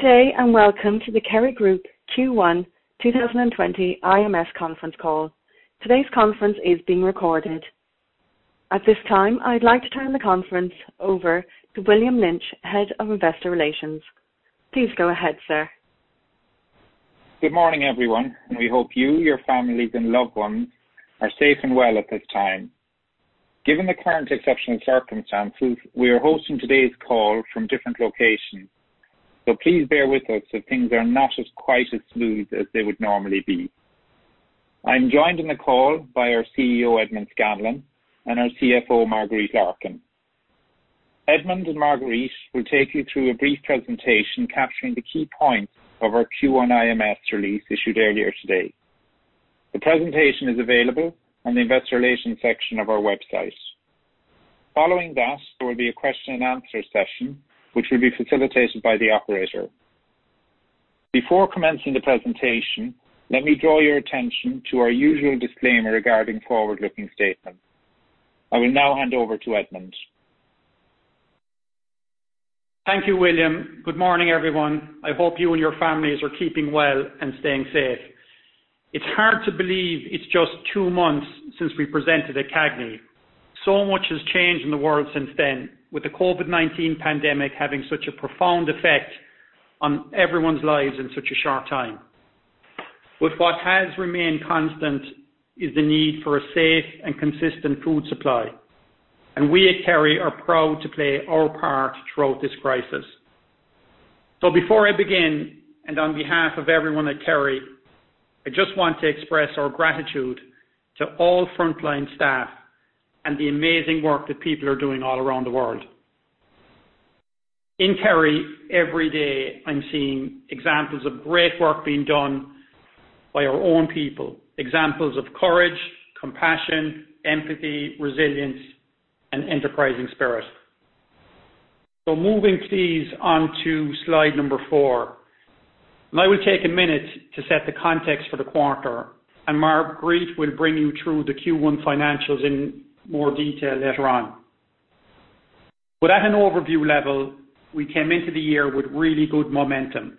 Good day, welcome to the Kerry Group Q1 2020 IMS conference call. Today's conference is being recorded. At this time, I'd like to turn the conference over to William Lynch, Head of Investor Relations. Please go ahead, sir. Good morning, everyone, and we hope you, your families, and loved ones are safe and well at this time. Given the current exceptional circumstances, we are hosting today's call from different locations, so please bear with us if things are not as quite as smooth as they would normally be. I'm joined in the call by our CEO, Edmond Scanlon, and our CFO, Marguerite Larkin. Edmond and Marguerite will take you through a brief presentation capturing the key points of our Q1 IMS release issued earlier today. The presentation is available on the investor relations section of our website. Following that, there will be a question and answer session, which will be facilitated by the operator. Before commencing the presentation, let me draw your attention to our usual disclaimer regarding forward-looking statements. I will now hand over to Edmond. Thank you, William. Good morning, everyone. I hope you and your families are keeping well and staying safe. It's hard to believe it's just two months since we presented at CAGNY. Much has changed in the world since then, with the COVID-19 pandemic having such a profound effect on everyone's lives in such a short time. What has remained constant is the need for a safe and consistent food supply, and we at Kerry are proud to play our part throughout this crisis. Before I begin, and on behalf of everyone at Kerry, I just want to express our gratitude to all frontline staff and the amazing work that people are doing all around the world. In Kerry, every day, I'm seeing examples of great work being done by our own people, examples of courage, compassion, empathy, resilience, and enterprising spirit. Moving, please, on to slide number four. I will take a minute to set the context for the quarter, and Marguerite will bring you through the Q1 financials in more detail later on. At an overview level, we came into the year with really good momentum.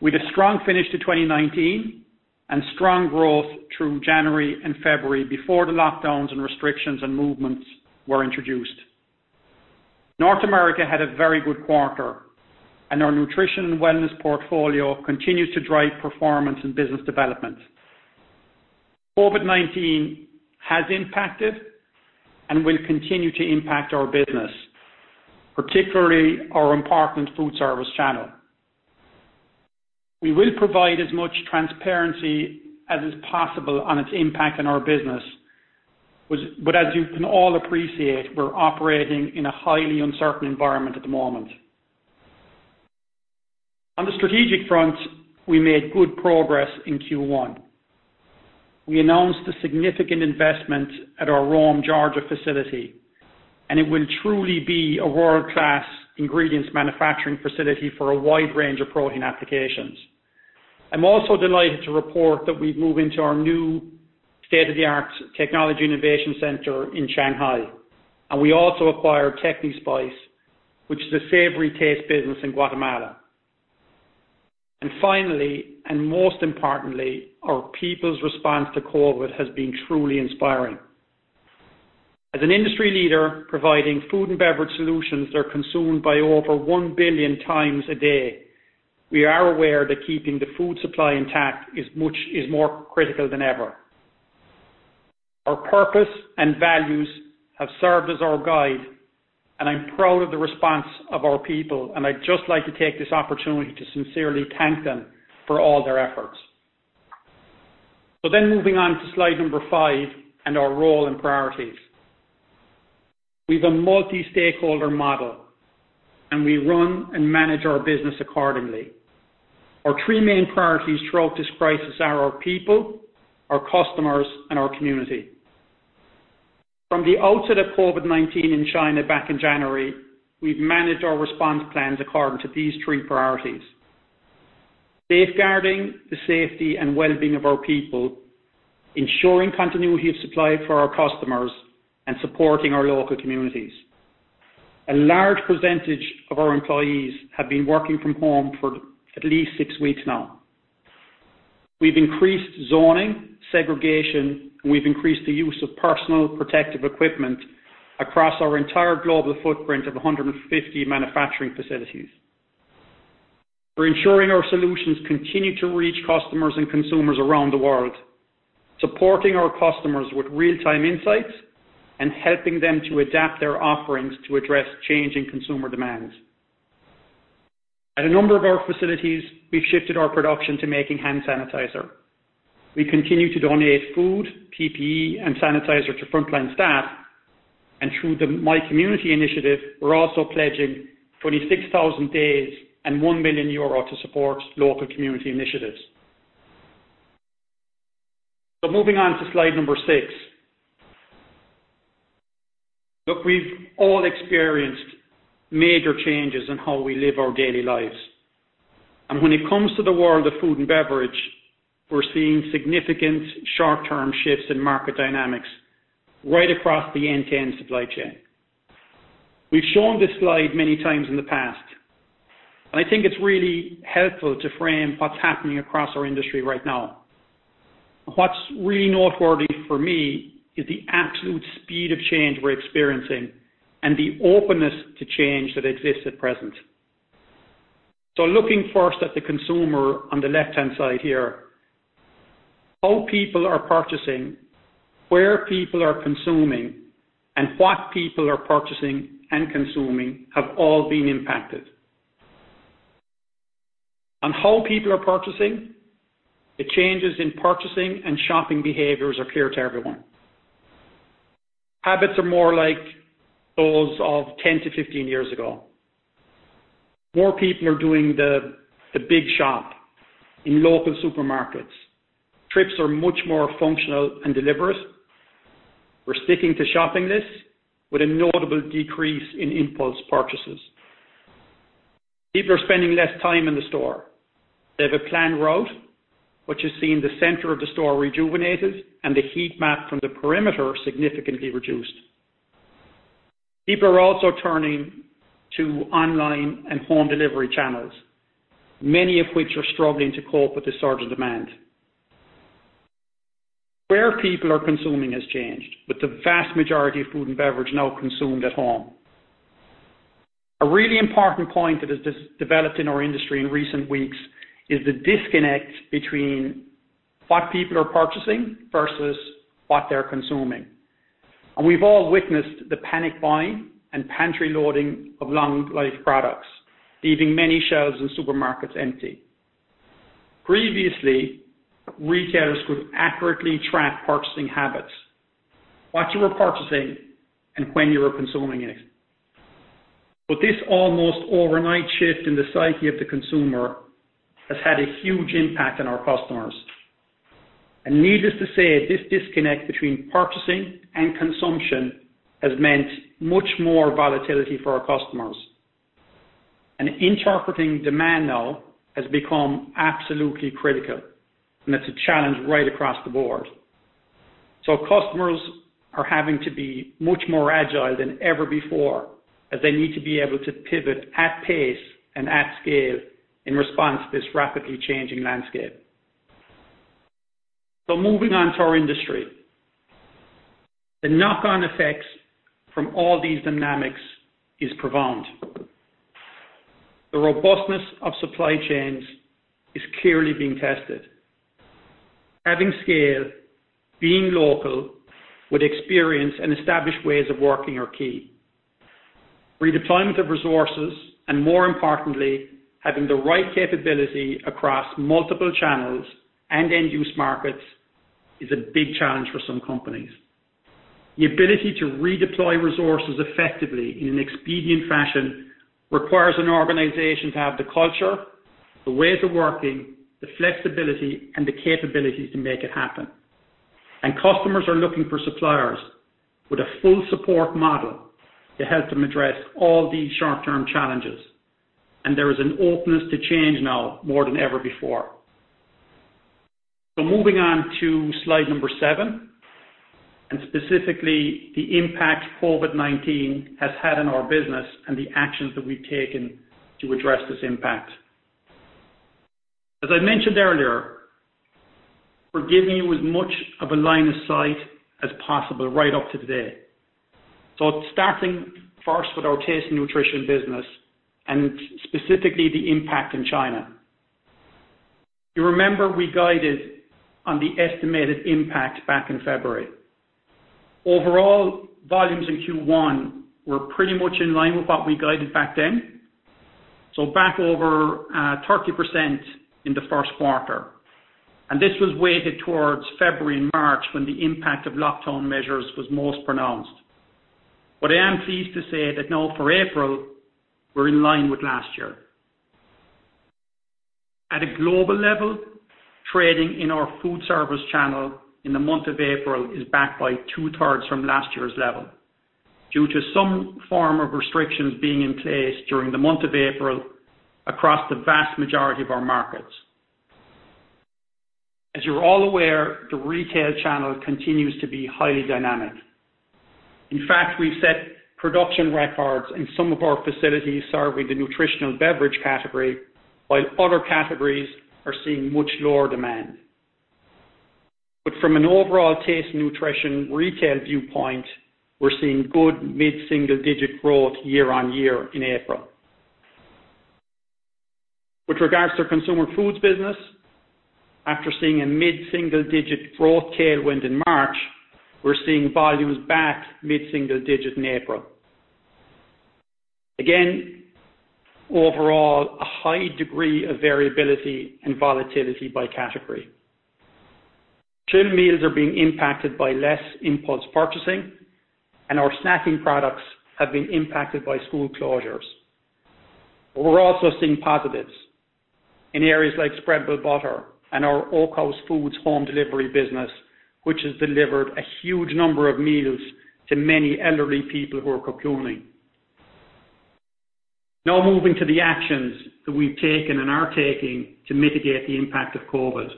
With a strong finish to 2019 and strong growth through January and February before the lockdowns and restrictions and movements were introduced. North America had a very good quarter, and our nutrition and wellness portfolio continues to drive performance and business development. COVID-19 has impacted and will continue to impact our business, particularly our important foodservice channel. We will provide as much transparency as is possible on its impact on our business. As you can all appreciate, we are operating in a highly uncertain environment at the moment. On the strategic front, we made good progress in Q1. We announced a significant investment at our Rome, Georgia facility, and it will truly be a world-class ingredients manufacturing facility for a wide range of protein applications. I'm also delighted to report that we've moved into our new state-of-the-art technology innovation center in Shanghai. We also acquired Tecnispice, which is a savory taste business in Guatemala. Finally, and most importantly, our people's response to COVID has been truly inspiring. As an industry leader providing food and beverage solutions that are consumed by over 1 billion times a day, we are aware that keeping the food supply intact is more critical than ever. Our purpose and values have served as our guide, and I'm proud of the response of our people, and I'd just like to take this opportunity to sincerely thank them for all their efforts. Moving on to slide number five and our role and priorities. We've a multi-stakeholder model, and we run and manage our business accordingly. Our three main priorities throughout this crisis are our people, our customers, and our community. From the outset of COVID-19 in China back in January, we've managed our response plans according to these three priorities. Safeguarding the safety and well-being of our people, ensuring continuity of supply for our customers, and supporting our local communities. A large percentage of our employees have been working from home for at least six weeks now. We've increased zoning, segregation, and we've increased the use of personal protective equipment across our entire global footprint of 150 manufacturing facilities. We're ensuring our solutions continue to reach customers and consumers around the world, supporting our customers with real-time insights, and helping them to adapt their offerings to address changing consumer demands. At a number of our facilities, we've shifted our production to making hand sanitizer. We continue to donate food, PPE, and sanitizer to frontline staff. Through the My Community initiative, we're also pledging 26,000 days and 1 million euro to support local community initiatives. Moving on to slide six. We've all experienced major changes in how we live our daily lives. When it comes to the world of food and beverage, we're seeing significant short-term shifts in market dynamics right across the end-to-end supply chain. We've shown this slide many times in the past, and I think it's really helpful to frame what's happening across our industry right now. What's really noteworthy for me is the absolute speed of change we're experiencing and the openness to change that exists at present. Looking first at the consumer on the left-hand side here, how people are purchasing, where people are consuming, and what people are purchasing and consuming have all been impacted. On how people are purchasing, the changes in purchasing and shopping behaviors are clear to everyone. Habits are more like those of 10 to 15 years ago. More people are doing the big shop in local supermarkets. Trips are much more functional and deliberate. We're sticking to shopping lists with a notable decrease in impulse purchases. People are spending less time in the store. They have a planned route, which has seen the center of the store rejuvenated and the heat map from the perimeter significantly reduced. People are also turning to online and home delivery channels, many of which are struggling to cope with the surge in demand. Where people are consuming has changed, with the vast majority of food and beverage now consumed at home. A really important point that has developed in our industry in recent weeks is the disconnect between what people are purchasing versus what they're consuming. We've all witnessed the panic buying and pantry loading of long-life products, leaving many shelves in supermarkets empty. Previously, retailers could accurately track purchasing habits, what you were purchasing, and when you were consuming it. This almost overnight shift in the psyche of the consumer has had a huge impact on our customers. Needless to say, this disconnect between purchasing and consumption has meant much more volatility for our customers. Interpreting demand now has become absolutely critical, and it's a challenge right across the board. Customers are having to be much more agile than ever before, as they need to be able to pivot at pace and at scale in response to this rapidly changing landscape. Moving on to our industry. The knock-on effects from all these dynamics is profound. The robustness of supply chains is clearly being tested. Having scale, being local with experience and established ways of working are key. Redeployment of resources, and more importantly, having the right capability across multiple channels and end-use markets is a big challenge for some companies. The ability to redeploy resources effectively in an expedient fashion requires an organization to have the culture, the ways of working, the flexibility, and the capabilities to make it happen. Customers are looking for suppliers with a full support model to help them address all these short-term challenges. There is an openness to change now more than ever before. Moving on to slide number seven, and specifically the impact COVID-19 has had on our business and the actions that we've taken to address this impact. As I mentioned earlier, we're giving you as much of a line of sight as possible right up to today. Starting first with our Taste & Nutrition business, and specifically the impact in China. You remember we guided on the estimated impact back in February. Overall, volumes in Q1 were pretty much in line with what we guided back then. Back over 30% in the first quarter. This was weighted towards February and March when the impact of lockdown measures was most pronounced. I am pleased to say that now for April, we're in line with last year. At a global level, trading in our foodservice channel in the month of April is back by 2/3 from last year's level due to some form of restrictions being in place during the month of April across the vast majority of our markets. As you're all aware, the retail channel continues to be highly dynamic. In fact, we've set production records in some of our facilities serving the nutritional beverage category while other categories are seeing much lower demand. From an overall taste nutrition retail viewpoint, we're seeing good mid-single digit growth year-on-year in April. With regards to our Consumer Foods business, after seeing a mid-single digit growth tailwind in March, we're seeing volumes back mid-single digits in April. Again, overall, a high degree of variability and volatility by category. Chilled meals are being impacted by less impulse purchasing, and our snacking products have been impacted by school closures. We're also seeing positives in areas like spreadable butter and our Oakhouse Foods Home Delivery business, which has delivered a huge number of meals to many elderly people who are cocooning. Now moving to the actions that we've taken and are taking to mitigate the impact of COVID-19.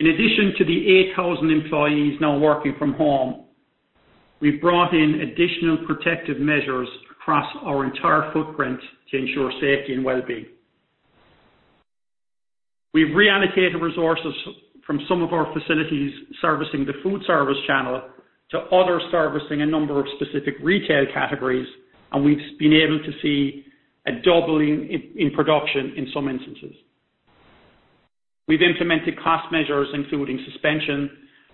In addition to the 8,000 employees now working from home, we've brought in additional protective measures across our entire footprint to ensure safety and wellbeing. We've reallocated resources from some of our facilities servicing the foodservice channel to other servicing a number of specific retail categories, and we've been able to see a doubling in production in some instances. We've implemented cost measures, including suspension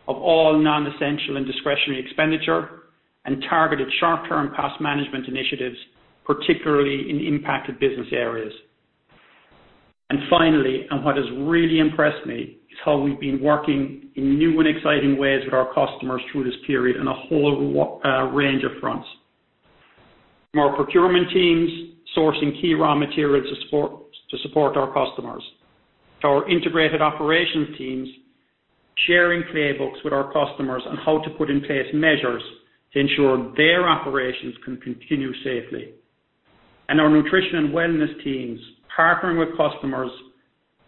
of all non-essential and discretionary expenditure and targeted short-term cost management initiatives, particularly in impacted business areas. Finally, and what has really impressed me, is how we've been working in new and exciting ways with our customers through this period on a whole range of fronts. Our procurement teams sourcing key raw materials to support our customers. Our integrated operations teams sharing playbooks with our customers on how to put in place measures to ensure their operations can continue safely. Our nutrition and wellness teams partnering with customers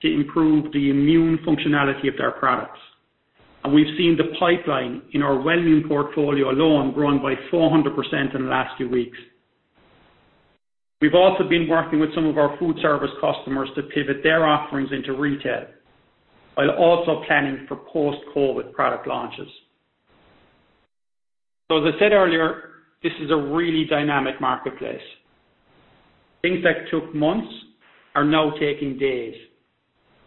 to improve the immune functionality of their products. We've seen the pipeline in our wellbeing portfolio alone grown by 400% in the last few weeks. We've also been working with some of our foodservice customers to pivot their offerings into retail, while also planning for post-COVID-19 product launches. As I said earlier, this is a really dynamic marketplace. Things that took months are now taking days,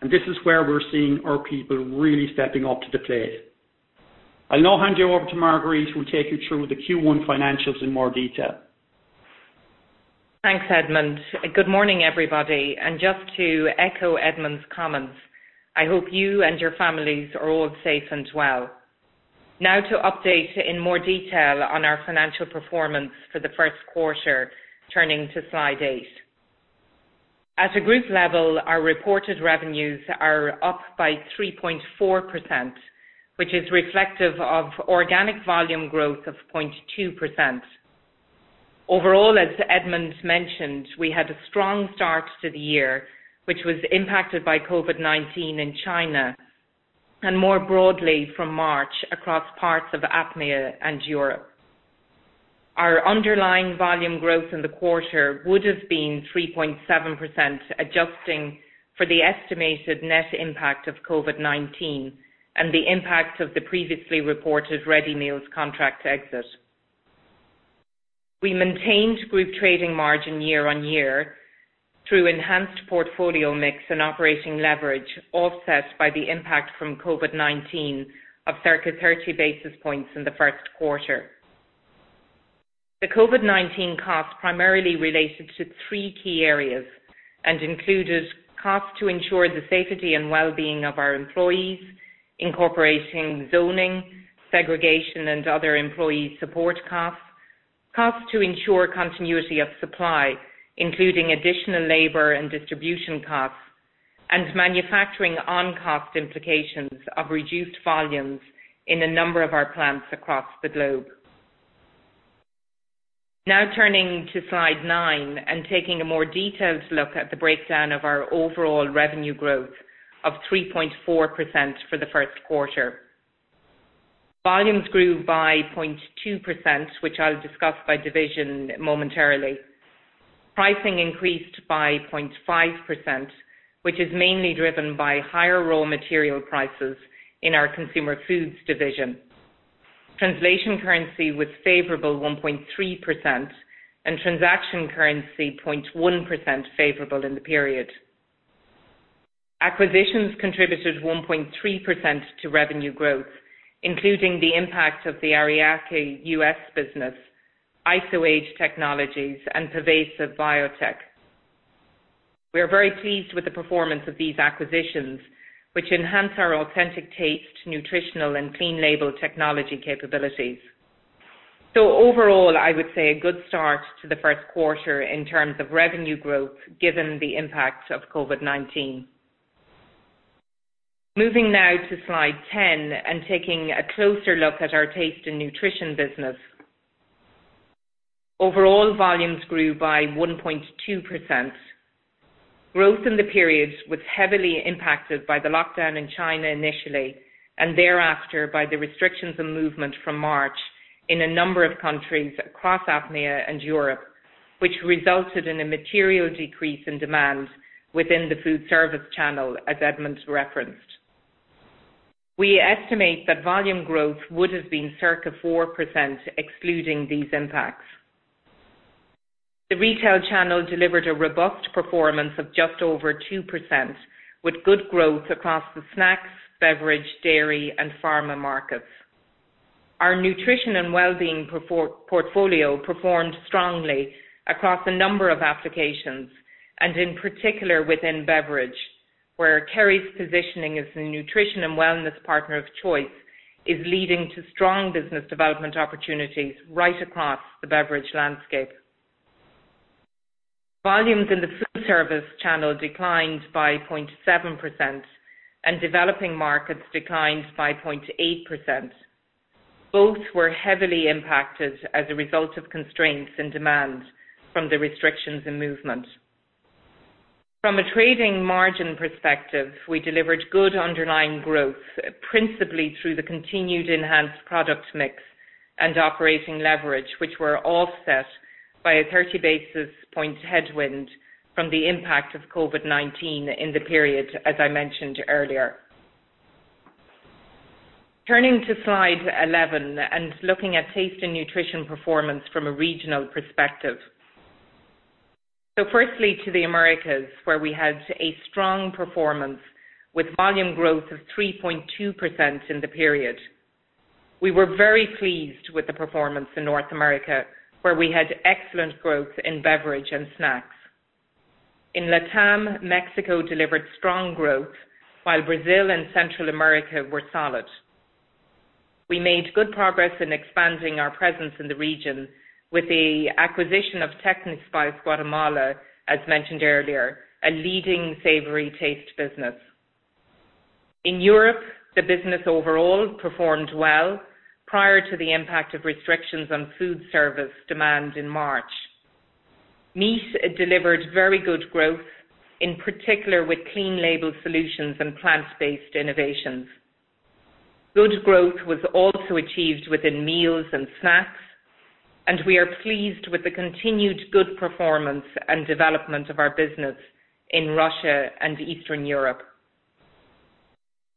and this is where we're seeing our people really stepping up to the plate. I'll now hand you over to Marguerite, who will take you through the Q1 financials in more detail. Thanks, Edmond. Good morning, everybody. Just to echo Edmond's comments, I hope you and your families are all safe and well. Now to update in more detail on our financial performance for the first quarter, turning to slide eight. At a group level, our reported revenues are up by 3.4%, which is reflective of organic volume growth of 0.2%. Overall, as Edmond mentioned, we had a strong start to the year, which was impacted by COVID-19 in China and more broadly from March across parts of APMEA and Europe. Our underlying volume growth in the quarter would've been 3.7%, adjusting for the estimated net impact of COVID-19 and the impact of the previously reported ready meals contract exit. We maintained group trading margin year-on-year through enhanced portfolio mix and operating leverage, offset by the impact from COVID-19 of circa 30 basis points in the first quarter. The COVID-19 cost primarily related to three key areas and included costs to ensure the safety and wellbeing of our employees, incorporating zoning, segregation, and other employee support costs. Costs to ensure continuity of supply, including additional labor and distribution costs and manufacturing on-cost implications of reduced volumes in a number of our plants across the globe. Turning to slide nine and taking a more detailed look at the breakdown of our overall revenue growth of 3.4% for the first quarter. Volumes grew by 0.2%, which I'll discuss by division momentarily. Pricing increased by 0.5%, which is mainly driven by higher raw material prices in our Consumer Foods division. Translation currency was favorable 1.3% and transaction currency 0.1% favorable in the period. Acquisitions contributed 1.3% to revenue growth, including the impact of the Ariake U.S. business, IsoAge Technologies, and PEVESA Biotech. We are very pleased with the performance of these acquisitions, which enhance our authentic taste, nutritional, and clean label technology capabilities. Overall, I would say a good start to the first quarter in terms of revenue growth given the impact of COVID-19. Moving now to slide 10 and taking a closer look at our Taste & Nutrition business. Overall volumes grew by 1.2%. Growth in the period was heavily impacted by the lockdown in China initially, and thereafter by the restrictions on movement from March in a number of countries across APMEA and Europe, which resulted in a material decrease in demand within the foodservice channel as Edmond referenced. We estimate that volume growth would've been circa 4% excluding these impacts. The retail channel delivered a robust performance of just over 2% with good growth across the snacks, beverage, dairy, and pharma markets. Our Nutrition and Wellbeing portfolio performed strongly across a number of applications. In particular within beverage, where Kerry's positioning as the nutrition and wellness partner of choice is leading to strong business development opportunities right across the beverage landscape. Volumes in the foodservice channel declined by 0.7%. Developing markets declined by 0.8%. Both were heavily impacted as a result of constraints in demand from the restrictions in movement. From a trading margin perspective, we delivered good underlying growth, principally through the continued enhanced product mix and operating leverage, which were offset by a 30 basis point headwind from the impact of COVID-19 in the period, as I mentioned earlier. Turning to slide 11. Looking at Taste & Nutrition performance from a regional perspective. Firstly to the Americas, where we had a strong performance with volume growth of 3.2% in the period. We were very pleased with the performance in North America, where we had excellent growth in beverage and snacks. In LATAM, Mexico delivered strong growth, while Brazil and Central America were solid. We made good progress in expanding our presence in the region with the acquisition of Tecnispice Guatemala, as mentioned earlier, a leading savory taste business. In Europe, the business overall performed well prior to the impact of restrictions on foodservice demand in March. Meat delivered very good growth, in particular with clean label solutions and plant-based innovations. Good growth was also achieved within meals and snacks, and we are pleased with the continued good performance and development of our business in Russia and Eastern Europe.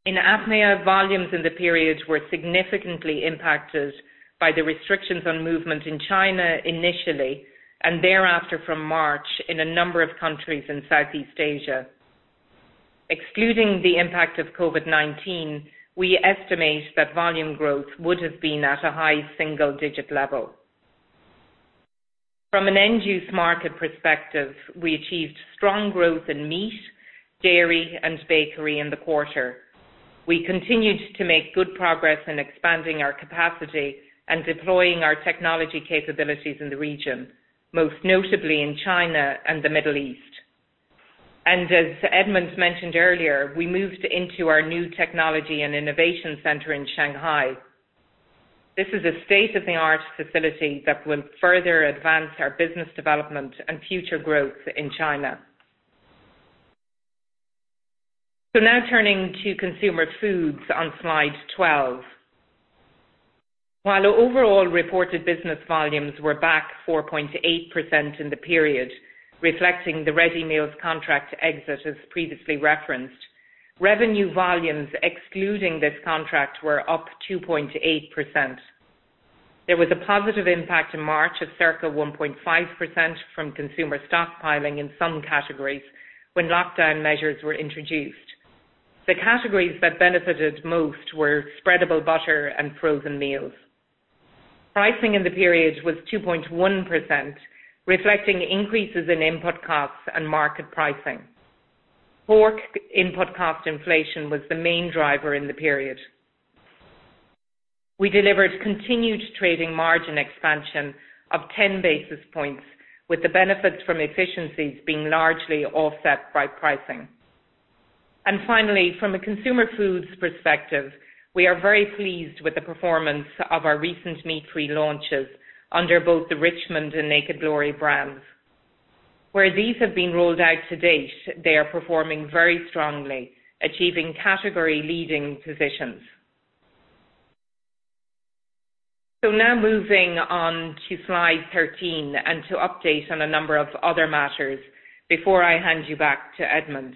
In APMEA, volumes in the period were significantly impacted by the restrictions on movement in China initially, and thereafter from March in a number of countries in Southeast Asia. Excluding the impact of COVID-19, we estimate that volume growth would have been at a high single-digit level. From an end-use market perspective, we achieved strong growth in meat, dairy, and bakery in the quarter. We continued to make good progress in expanding our capacity and deploying our technology capabilities in the region, most notably in China and the Middle East. As Edmond mentioned earlier, we moved into our new Technology and Innovation Center in Shanghai. This is a state-of-the-art facility that will further advance our business development and future growth in China. Now turning to Consumer Foods on slide 12. While overall reported business volumes were back 4.8% in the period, reflecting the ready meals contract exit as previously referenced, revenue volumes excluding this contract were up 2.8%. There was a positive impact in March of circa 1.5% from consumer stockpiling in some categories when lockdown measures were introduced. The categories that benefited most were spreadable butter and frozen meals. Pricing in the period was 2.1%, reflecting increases in input costs and market pricing. Pork input cost inflation was the main driver in the period. We delivered continued trading margin expansion of 10 basis points, with the benefit from efficiencies being largely offset by pricing. Finally, from a Consumer Foods perspective, we are very pleased with the performance of our recent meat-free launches under both the Richmond and Naked Glory brands. Where these have been rolled out to date, they are performing very strongly, achieving category-leading positions. Now moving on to slide 13 and to update on a number of other matters before I hand you back to Edmond.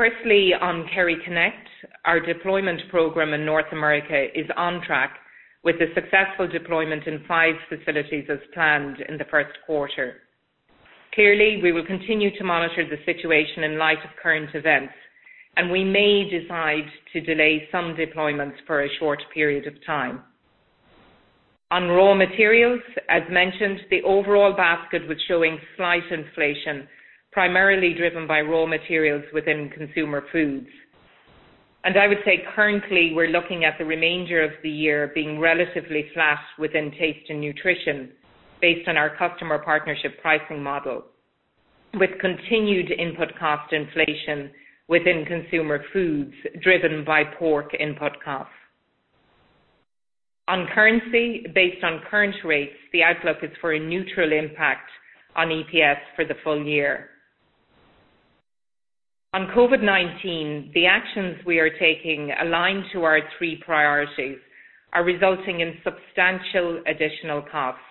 Firstly, on KerryConnect, our deployment program in North America is on track with the successful deployment in five facilities as planned in the first quarter. Clearly, we will continue to monitor the situation in light of current events, and we may decide to delay some deployments for a short period of time. On raw materials, as mentioned, the overall basket was showing slight inflation, primarily driven by raw materials within Consumer Foods. I would say currently we're looking at the remainder of the year being relatively flat within Taste & Nutrition based on our customer partnership pricing model, with continued input cost inflation within Consumer Foods driven by pork input costs. On currency, based on current rates, the outlook is for a neutral impact on EPS for the full year. On COVID-19, the actions we are taking aligned to our three priorities are resulting in substantial additional costs,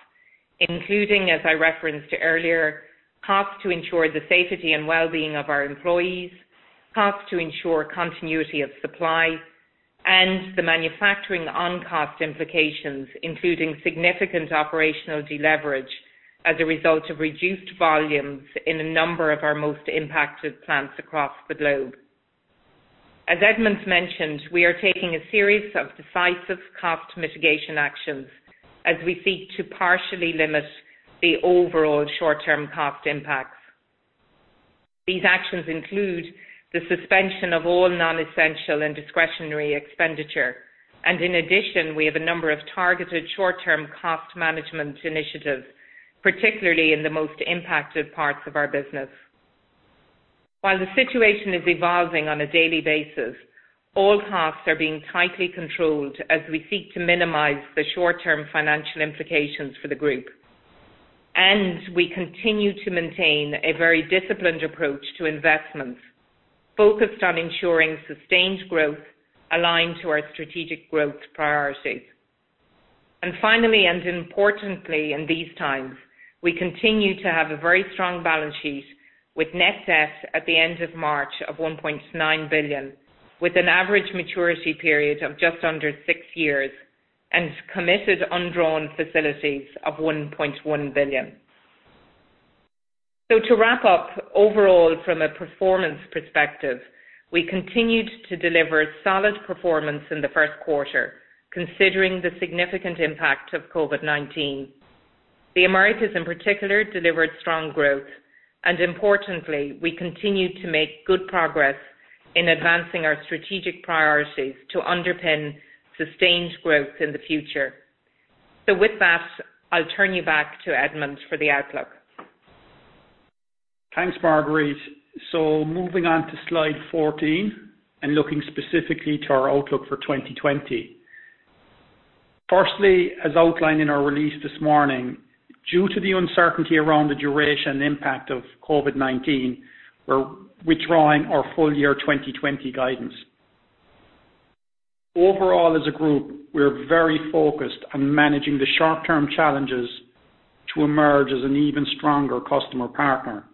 including, as I referenced earlier, costs to ensure the safety and well-being of our employees, costs to ensure continuity of supply, and the manufacturing on-cost implications, including significant operational deleverage as a result of reduced volumes in a number of our most impacted plants across the globe. As Edmond mentioned, we are taking a series of decisive cost mitigation actions as we seek to partially limit the overall short-term cost impacts. These actions include the suspension of all non-essential and discretionary expenditure. In addition, we have a number of targeted short-term cost management initiatives, particularly in the most impacted parts of our business. While the situation is evolving on a daily basis, all costs are being tightly controlled as we seek to minimize the short-term financial implications for the group. We continue to maintain a very disciplined approach to investments, focused on ensuring sustained growth aligned to our strategic growth priorities. Finally, and importantly in these times, we continue to have a very strong balance sheet with Net Debt at the end of March of 1.9 billion, with an average maturity period of just under six years and committed undrawn facilities of 1.1 billion. To wrap up, overall from a performance perspective, we continued to deliver solid performance in the first quarter, considering the significant impact of COVID-19. The Americas in particular, delivered strong growth, and importantly, we continued to make good progress in advancing our strategic priorities to underpin sustained growth in the future. With that, I'll turn you back to Edmond for the outlook. Thanks, Marguerite. Moving on to slide 14 and looking specifically to our outlook for 2020. Firstly, as outlined in our release this morning, due to the uncertainty around the duration and impact of COVID-19, we're withdrawing our full year 2020 guidance. Overall as a group, we're very focused on managing the short-term challenges to emerge as an even stronger customer partner.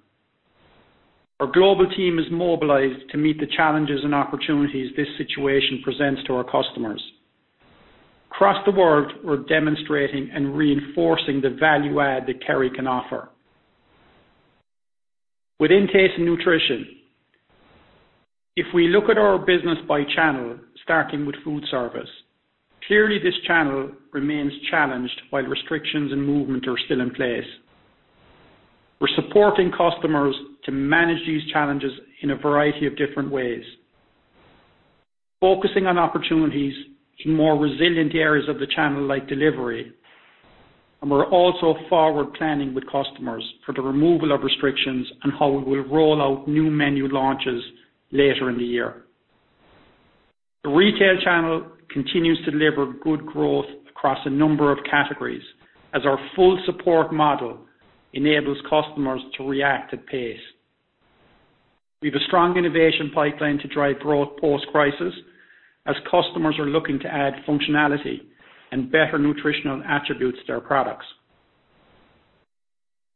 Our global team is mobilized to meet the challenges and opportunities this situation presents to our customers. Across the world, we're demonstrating and reinforcing the value add that Kerry can offer. Within Taste & Nutrition, if we look at our business by channel, starting with foodservice, clearly this channel remains challenged while restrictions and movement are still in place. We're supporting customers to manage these challenges in a variety of different ways, focusing on opportunities in more resilient areas of the channel like delivery. We're also forward planning with customers for the removal of restrictions and how we will roll out new menu launches later in the year. The retail channel continues to deliver good growth across a number of categories as our full support model enables customers to react at pace. We've a strong innovation pipeline to drive growth post-crisis, as customers are looking to add functionality and better nutritional attributes to our products.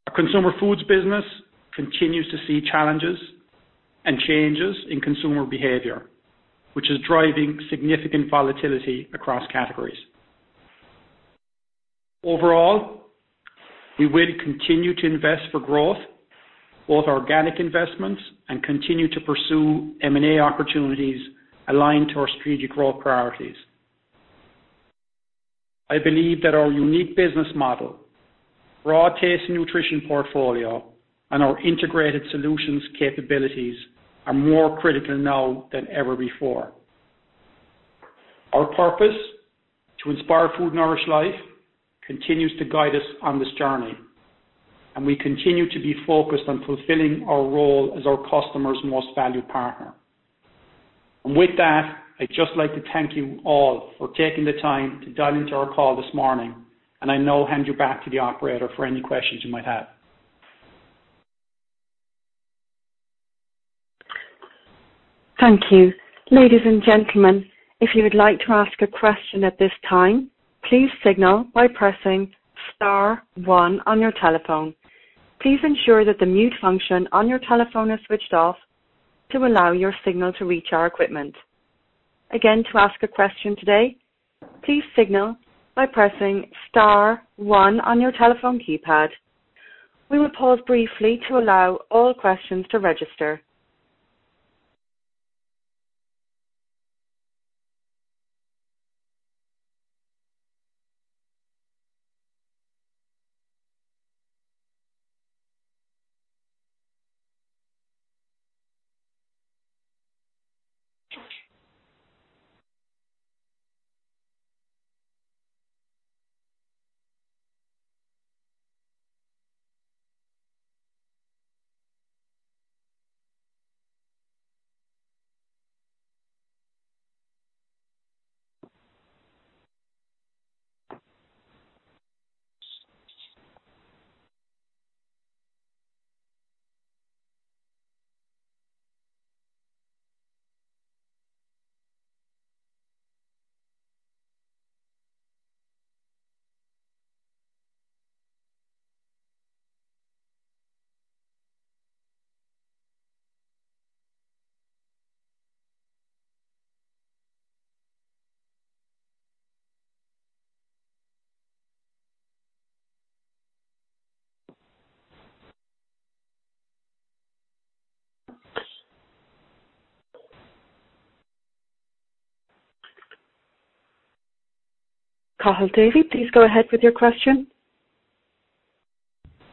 Our Consumer Foods business continues to see challenges and changes in consumer behavior, which is driving significant volatility across categories. Overall, we will continue to invest for growth, both organic investments and continue to pursue M&A opportunities aligned to our strategic growth priorities. I believe that our unique business model, broad Taste & Nutrition portfolio, and our integrated solutions capabilities are more critical now than ever before. Our purpose to inspire food, nourish life, continues to guide us on this journey, and we continue to be focused on fulfilling our role as our customers' most valued partner. With that, I'd just like to thank you all for taking the time to dial into our call this morning, and I now hand you back to the operator for any questions you might have. Thank you. Ladies and gentlemen, if you would like to ask a question at this time, please signal by pressing star one on your telephone. Please ensure that the mute function on your telephone is switched off to allow your signal to reach our equipment. Again, to ask a question today, please signal by pressing star one on your telephone keypad. We will pause briefly to allow all questions to register. Cathal [Davy], please go ahead with your question.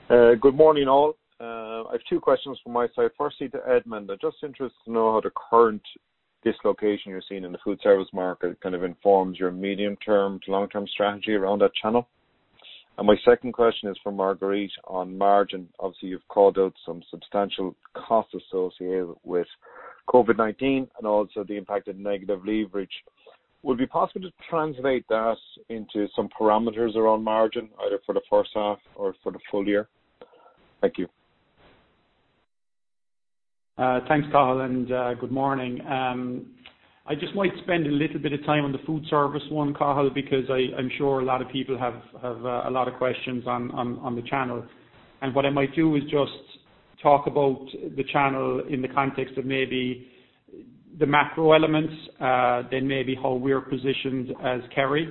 Good morning, all. I have two questions from my side. Firstly, to Edmond. I'm just interested to know how the current dislocation you're seeing in the foodservice market kind of informs your medium-term to long-term strategy around that channel. My second question is for Marguerite on margin. Obviously, you've called out some substantial costs associated with COVID-19 and also the impact of negative leverage. Would it be possible to translate that into some parameters around margin, either for the first half or for the full year? Thank you. Thanks, Cathal, good morning. I just might spend a little bit of time on the foodservice one, Cathal, because I'm sure a lot of people have a lot of questions on the channel. What I might do is just talk about the channel in the context of maybe the macro elements, then maybe how we're positioned as Kerry,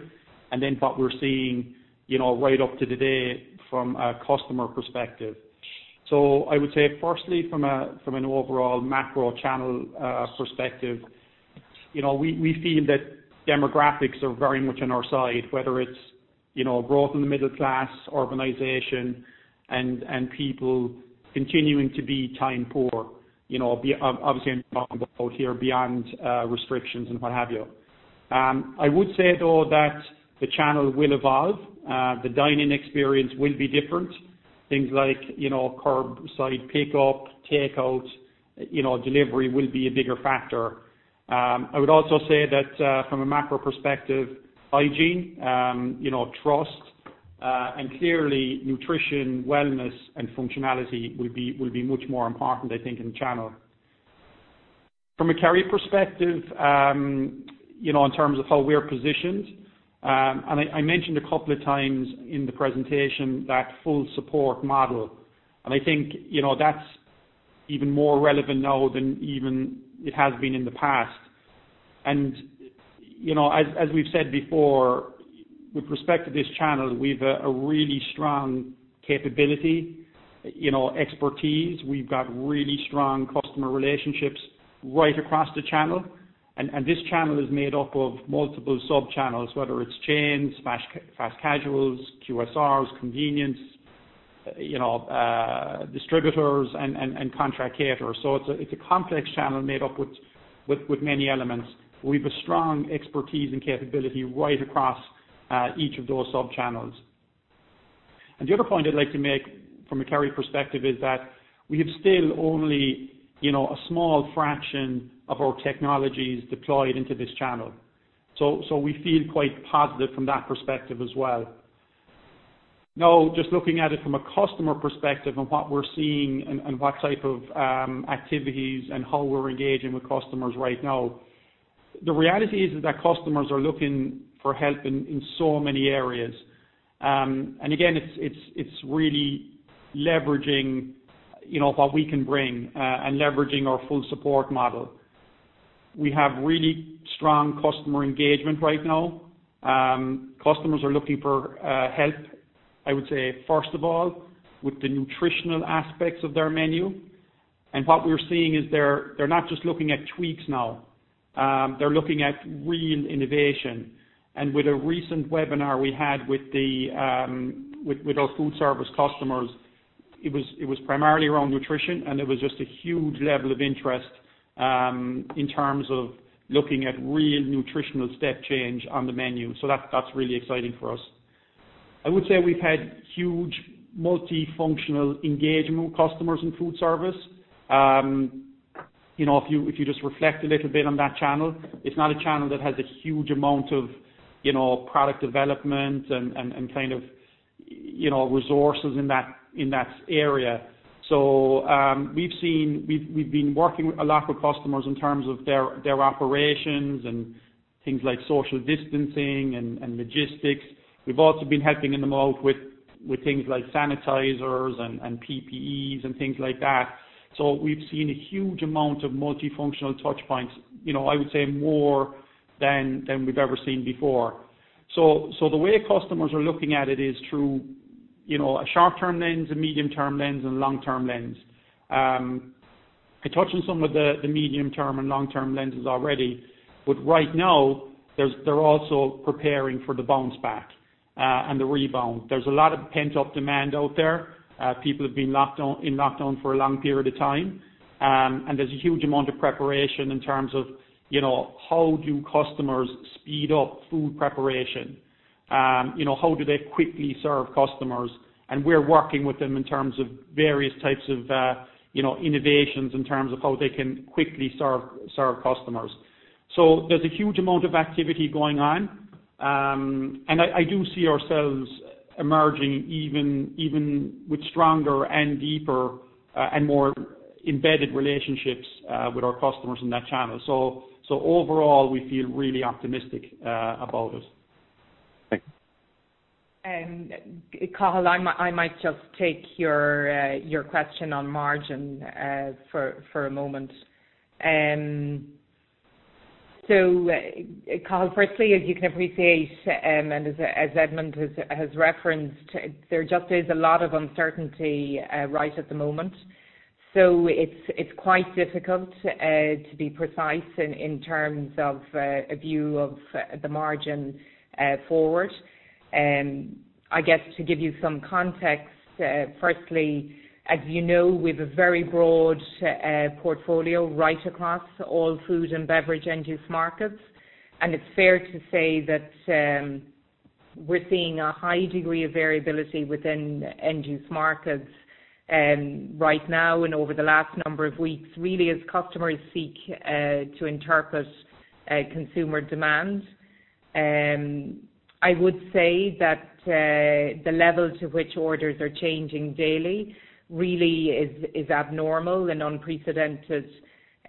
and then what we're seeing right up to today from a customer perspective. I would say firstly, from an overall macro channel perspective, we feel that demographics are very much on our side, whether it's growth in the middle class, urbanization, and people continuing to be time poor. Obviously, I'm talking about here beyond restrictions and what have you. I would say, though, that the channel will evolve. The dine-in experience will be different. Things like curbside pickup, takeout, delivery will be a bigger factor. I would also say that from a macro perspective, hygiene, trust, and clearly nutrition, wellness, and functionality will be much more important, I think, in the channel. From a Kerry perspective, in terms of how we're positioned, I mentioned a couple of times in the presentation that full support model, I think that's even more relevant now than even it has been in the past. As we've said before, with respect to this channel, we've a really strong capability, expertise. We've got really strong customer relationships right across the channel, this channel is made up of multiple sub-channels, whether it's chains, fast casuals, QSRs, convenience, distributors, and contract caterers. It's a complex channel made up with many elements. We've a strong expertise and capability right across each of those sub-channels. The other point I'd like to make from a Kerry perspective is that we have still only a small fraction of our technologies deployed into this channel. We feel quite positive from that perspective as well. Just looking at it from a customer perspective and what we're seeing and what type of activities and how we're engaging with customers right now, the reality is that customers are looking for help in so many areas. Again, it's really leveraging what we can bring and leveraging our full support model. We have really strong customer engagement right now. Customers are looking for help, I would say, first of all, with the nutritional aspects of their menu. What we're seeing is they're not just looking at tweaks now. They're looking at re-innovation. With a recent webinar we had with our foodservice customers, it was primarily around nutrition, and it was just a huge level of interest in terms of looking at real nutritional step change on the menu. That's really exciting for us. I would say we've had huge multifunctional engagement with customers in foodservice. If you just reflect a little bit on that channel, it's not a channel that has a huge amount of product development and kind of resources in that area. We've been working a lot with customers in terms of their operations and things like social distancing and logistics. We've also been helping them out with things like sanitizers and PPEs and things like that. We've seen a huge amount of multifunctional touch points, I would say more than we've ever seen before. The way customers are looking at it is through a short-term lens, a medium-term lens, and a long-term lens. I touched on some of the medium-term and long-term lenses already, but right now they're also preparing for the bounce back and the rebound. There's a lot of pent-up demand out there. People have been locked down for a long period of time, and there's a huge amount of preparation in terms of how do customers speed up food preparation? How do they quickly serve customers? We're working with them in terms of various types of innovations in terms of how they can quickly serve customers. There's a huge amount of activity going on. I do see ourselves emerging even with stronger and deeper and more embedded relationships with our customers in that channel. Overall, we feel really optimistic about it. Thank you. Cathal, I might just take your question on margin for a moment. Cathal, firstly, as you can appreciate, and as Edmond has referenced, there just is a lot of uncertainty right at the moment. So it's quite difficult to be precise in terms of a view of the margin forward. I guess to give you some context, firstly, as you know, we've a very broad portfolio right across all food and beverage end-use markets. It's fair to say that we're seeing a high degree of variability within end-use markets right now and over the last number of weeks, really as customers seek to interpret consumer demand. I would say that the level to which orders are changing daily really is abnormal and unprecedented,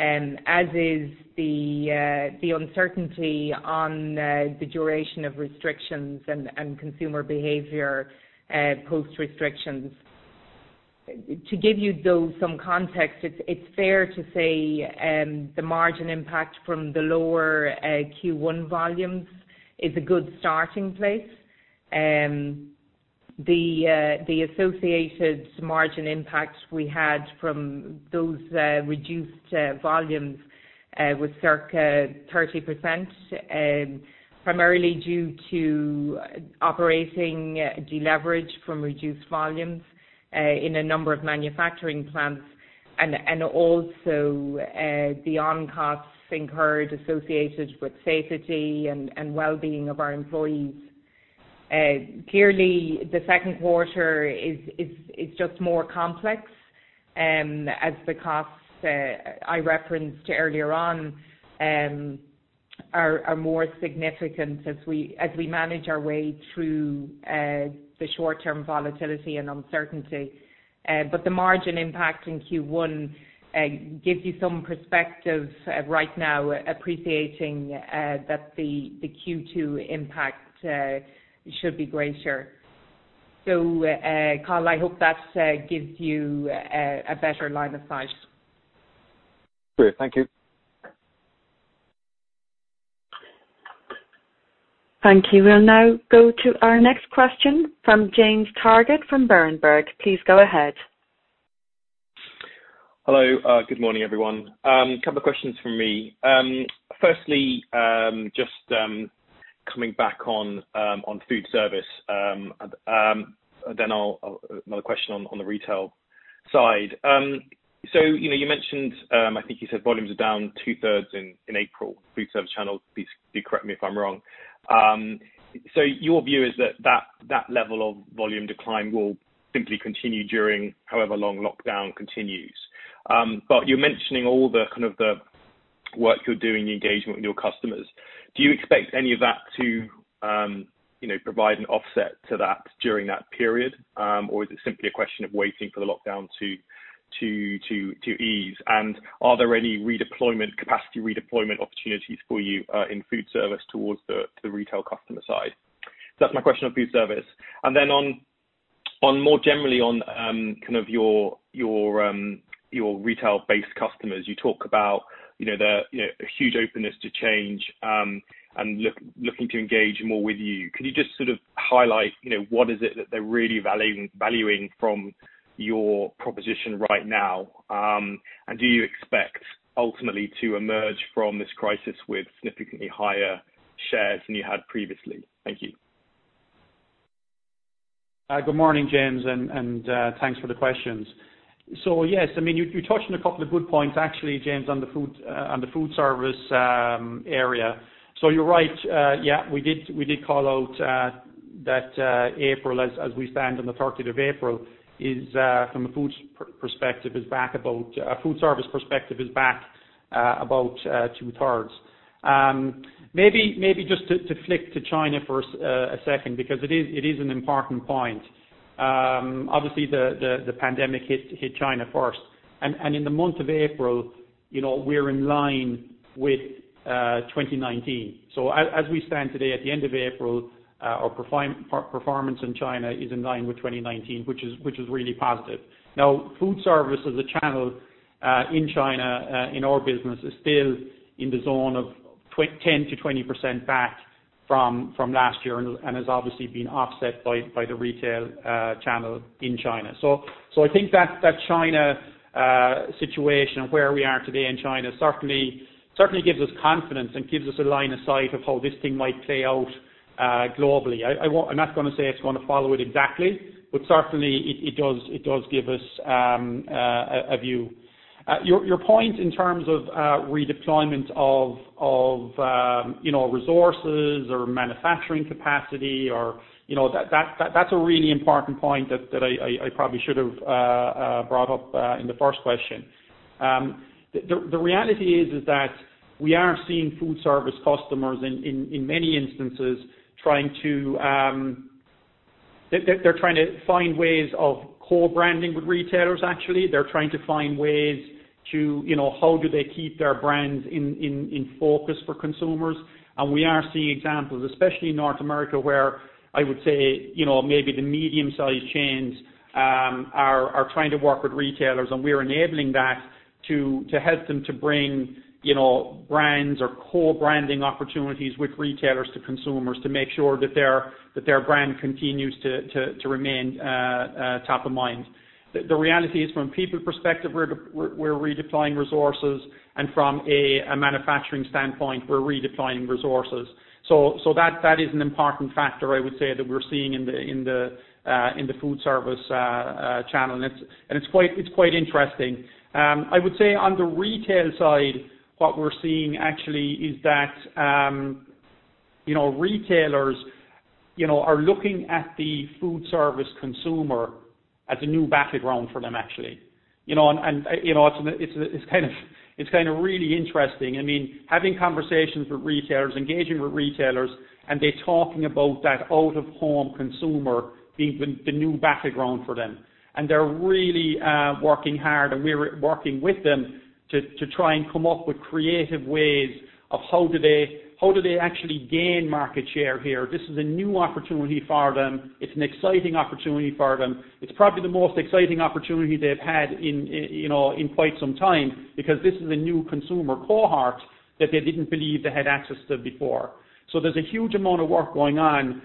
as is the uncertainty on the duration of restrictions and consumer behavior post restrictions. To give you some context, it is fair to say the margin impact from the lower Q1 volumes is a good starting place. The associated margin impact we had from those reduced volumes was circa 30%, primarily due to operating deleverage from reduced volumes in a number of manufacturing plants, and also the on-costs incurred associated with safety and well-being of our employees. The second quarter is just more complex as the costs I referenced earlier on are more significant as we manage our way through the short-term volatility and uncertainty. The margin impact in Q1 gives you some perspective right now, appreciating that the Q2 impact should be greater. Cathal, I hope that gives you a better line of sight. Great. Thank you. Thank you. We'll now go to our next question from James Targett, from Berenberg. Please go ahead. Hello. Good morning, everyone. Couple of questions from me. Just coming back on foodservice, another question on the retail side. You mentioned, I think you said volumes are down 2/3 in April, foodservice channel. Please do correct me if I'm wrong. Your view is that that level of volume decline will simply continue during however long lockdown continues. You're mentioning all the work you're doing, the engagement with your customers. Do you expect any of that to provide an offset to that during that period? Is it simply a question of waiting for the lockdown to ease? Are there any capacity redeployment opportunities for you in foodservice towards the retail customer side? That's my question on foodservice. More generally on your retail-based customers, you talk about a huge openness to change and looking to engage more with you. Could you just highlight what is it that they're really valuing from your proposition right now? Do you expect ultimately to emerge from this crisis with significantly higher shares than you had previously? Thank you. Good morning, James. Thanks for the questions. Yes, you touched on a couple of good points actually, James, on the foodservice area. You're right, yeah, we did call out that April, as we stand on the 30th of April, from a foodservice perspective is back about 2/3. Maybe just to flick to China for a second because it is an important point. Obviously, the pandemic hit China first. In the month of April, we're in line with 2019. As we stand today at the end of April, our performance in China is in line with 2019, which is really positive. Now, foodservice as a channel in China in our business is still in the zone of 10%-20% back from last year and has obviously been offset by the retail channel in China. I think that China situation, where we are today in China certainly gives us confidence and gives us a line of sight of how this thing might play out globally. I'm not going to say it's going to follow it exactly, but certainly it does give us a view. Your point in terms of redeployment of resources or manufacturing capacity, that's a really important point that I probably should have brought up in the first question. The reality is that we are seeing foodservice customers, in many instances, they're trying to find ways of co-branding with retailers, actually. They're trying to find ways to, how do they keep their brands in focus for consumers. We are seeing examples, especially in North America, where I would say maybe the medium-sized chains are trying to work with retailers, and we're enabling that to help them to bring brands or co-branding opportunities with retailers to consumers to make sure that their brand continues to remain top of mind. The reality is, from people perspective, we're redeploying resources, and from a manufacturing standpoint, we're redeploying resources. That is an important factor, I would say, that we're seeing in the foodservice channel, and it's quite interesting. On the retail side, what we're seeing actually is that retailers are looking at the foodservice consumer as a new battleground for them, actually. It's kind of really interesting. Having conversations with retailers, engaging with retailers, and they're talking about that out-of-home consumer being the new battleground for them. They're really working hard, and we're working with them to try and come up with creative ways of how do they actually gain market share here. This is a new opportunity for them. It's an exciting opportunity for them. It's probably the most exciting opportunity they've had in quite some time because this is a new consumer cohort that they didn't believe they had access to before. There's a huge amount of work going on,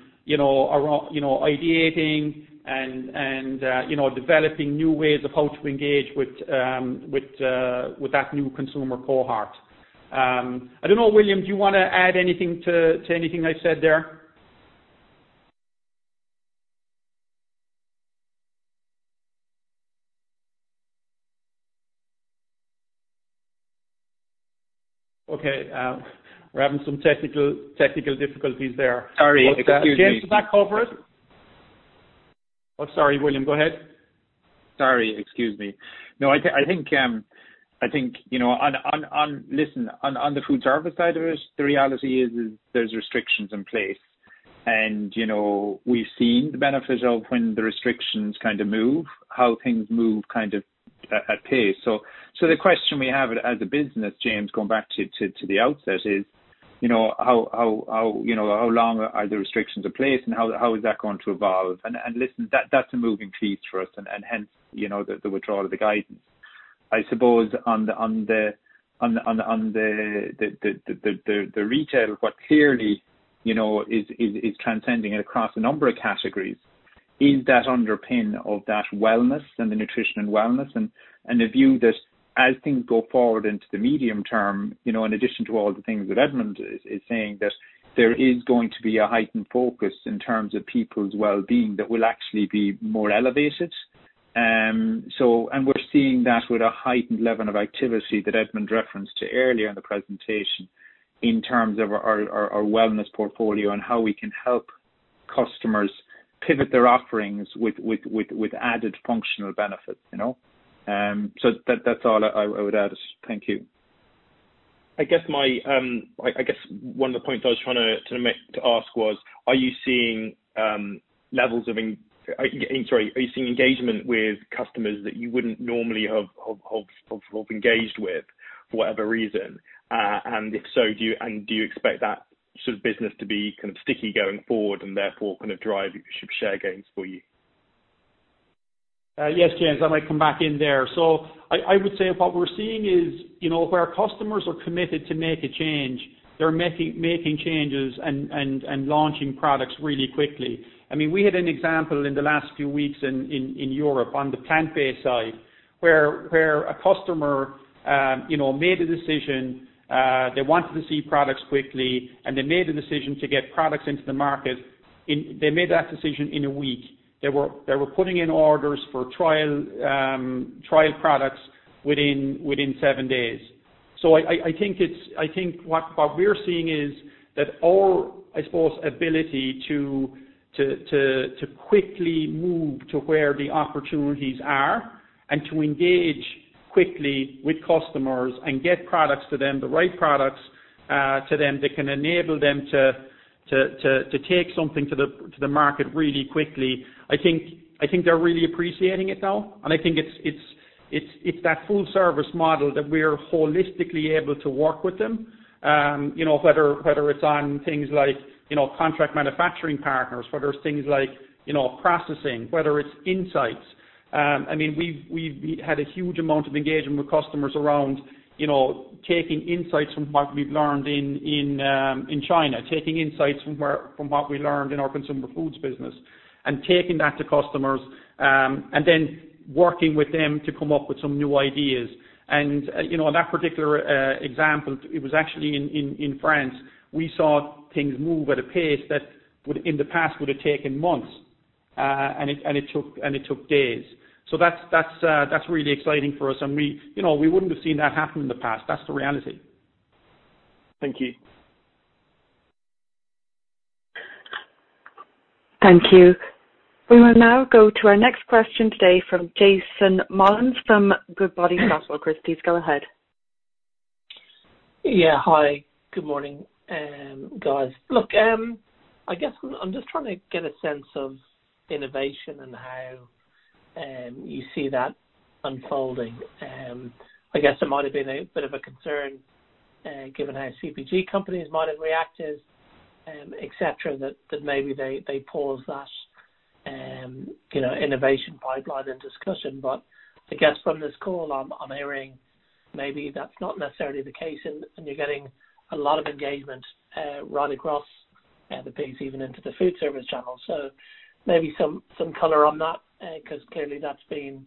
ideating and developing new ways of how to engage with that new consumer cohort. I don't know, William, do you want to add anything to anything I said there? Okay. We're having some technical difficulties there. Sorry. Excuse me. James, you back over? Oh, sorry, William, go ahead. Sorry. Excuse me. No, listen, on the food`service side of it, the reality is there's restrictions in place. We've seen the benefits of when the restrictions kind of move, how things move at pace. The question we have as a business, James, going back to the outset is, how long are the restrictions in place, and how is that going to evolve? Listen, that's a moving piece for us and hence, the withdrawal of the guidance. I suppose on the retail, what clearly is transcending across a number of categories is that underpin of that wellness and the nutrition and wellness, and the view that as things go forward into the medium term, in addition to all the things that Edmond is saying, that there is going to be a heightened focus in terms of people's wellbeing that will actually be more elevated. We're seeing that with a heightened level of activity that Edmond referenced to earlier in the presentation in terms of our Wellness portfolio and how we can help customers pivot their offerings with added functional benefits. That's all I would add. Thank you. I guess one of the points I was trying to ask was, are you seeing engagement with customers that you wouldn't normally have engaged with, for whatever reason? If so, do you expect that sort of business to be kind of sticky going forward and therefore kind of drive share gains for you? Yes, James, I might come back in there. I would say what we're seeing is where our customers are committed to make a change, they're making changes and launching products really quickly. We had an example in the last few weeks in Europe on the plant-based side, where a customer made a decision. They wanted to see products quickly, they made the decision to get products into the market. They made that decision in a week. They were putting in orders for trial products within seven days. I think what we're seeing is that our, I suppose, ability to quickly move to where the opportunities are and to engage quickly with customers and get products to them, the right products to them that can enable them to take something to the market really quickly. I think they're really appreciating it now. I think it's that full service model that we're holistically able to work with them. Whether it's on things like contract manufacturing partners, whether it's things like processing, whether it's insights. We've had a huge amount of engagement with customers around taking insights from what we've learned in China, taking insights from what we learned in our Consumer Foods business, taking that to customers, then working with them to come up with some new ideas. That particular example, it was actually in France. We saw things move at a pace that would, in the past, would have taken months. It took days. That's really exciting for us. We wouldn't have seen that happen in the past. That's the reality. Thank you. Thank you. We will now go to our next question today from Jason Molins from Goodbody Stockbrokers. Please go ahead. Yeah. Hi, good morning, guys. I guess I'm just trying to get a sense of innovation and how you see that unfolding. I guess it might have been a bit of a concern, given how CPG companies might have reacted, et cetera, that maybe they paused that and innovation pipeline and discussion. I guess from this call I'm hearing maybe that's not necessarily the case and you're getting a lot of engagement right across the piece, even into the foodservice channel. Maybe some color on that because clearly that's been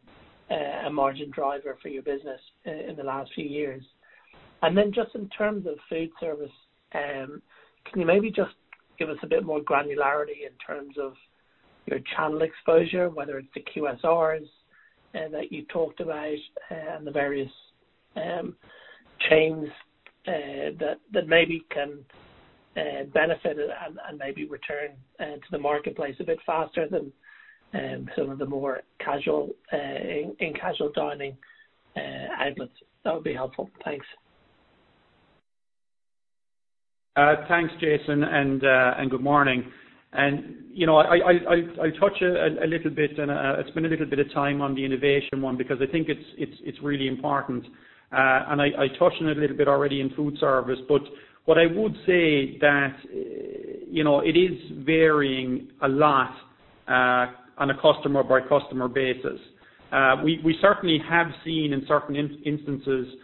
a margin driver for your business in the last few years. Then just in terms of foodservice, can you maybe just give us a bit more granularity in terms of your channel exposure, whether it's the QSRs that you talked about and the various chains that maybe can benefit and maybe return to the marketplace a bit faster than some of the more in casual dining outlets? That would be helpful. Thanks. Thanks, Jason. Good morning. I'll touch a little bit and spend a little bit of time on the innovation one, because I think it's really important. I touched on it a little bit already in foodservice. What I would say that it is varying a lot on a customer-by-customer basis. We certainly have seen in certain instances,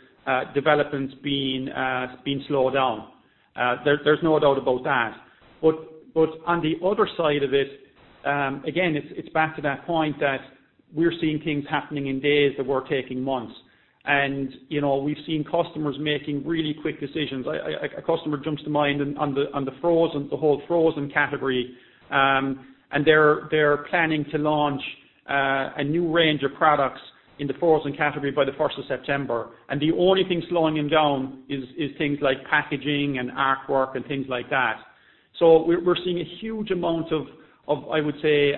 developments being slowed down. There's no doubt about that. On the other side of it, again, it's back to that point that we're seeing things happening in days that were taking months. We've seen customers making really quick decisions. A customer jumps to mind on the whole frozen category, and they're planning to launch a new range of products in the frozen category by the 1st of September. The only thing slowing him down is things like packaging and artwork and things like that. We're seeing a huge amount of, I would say,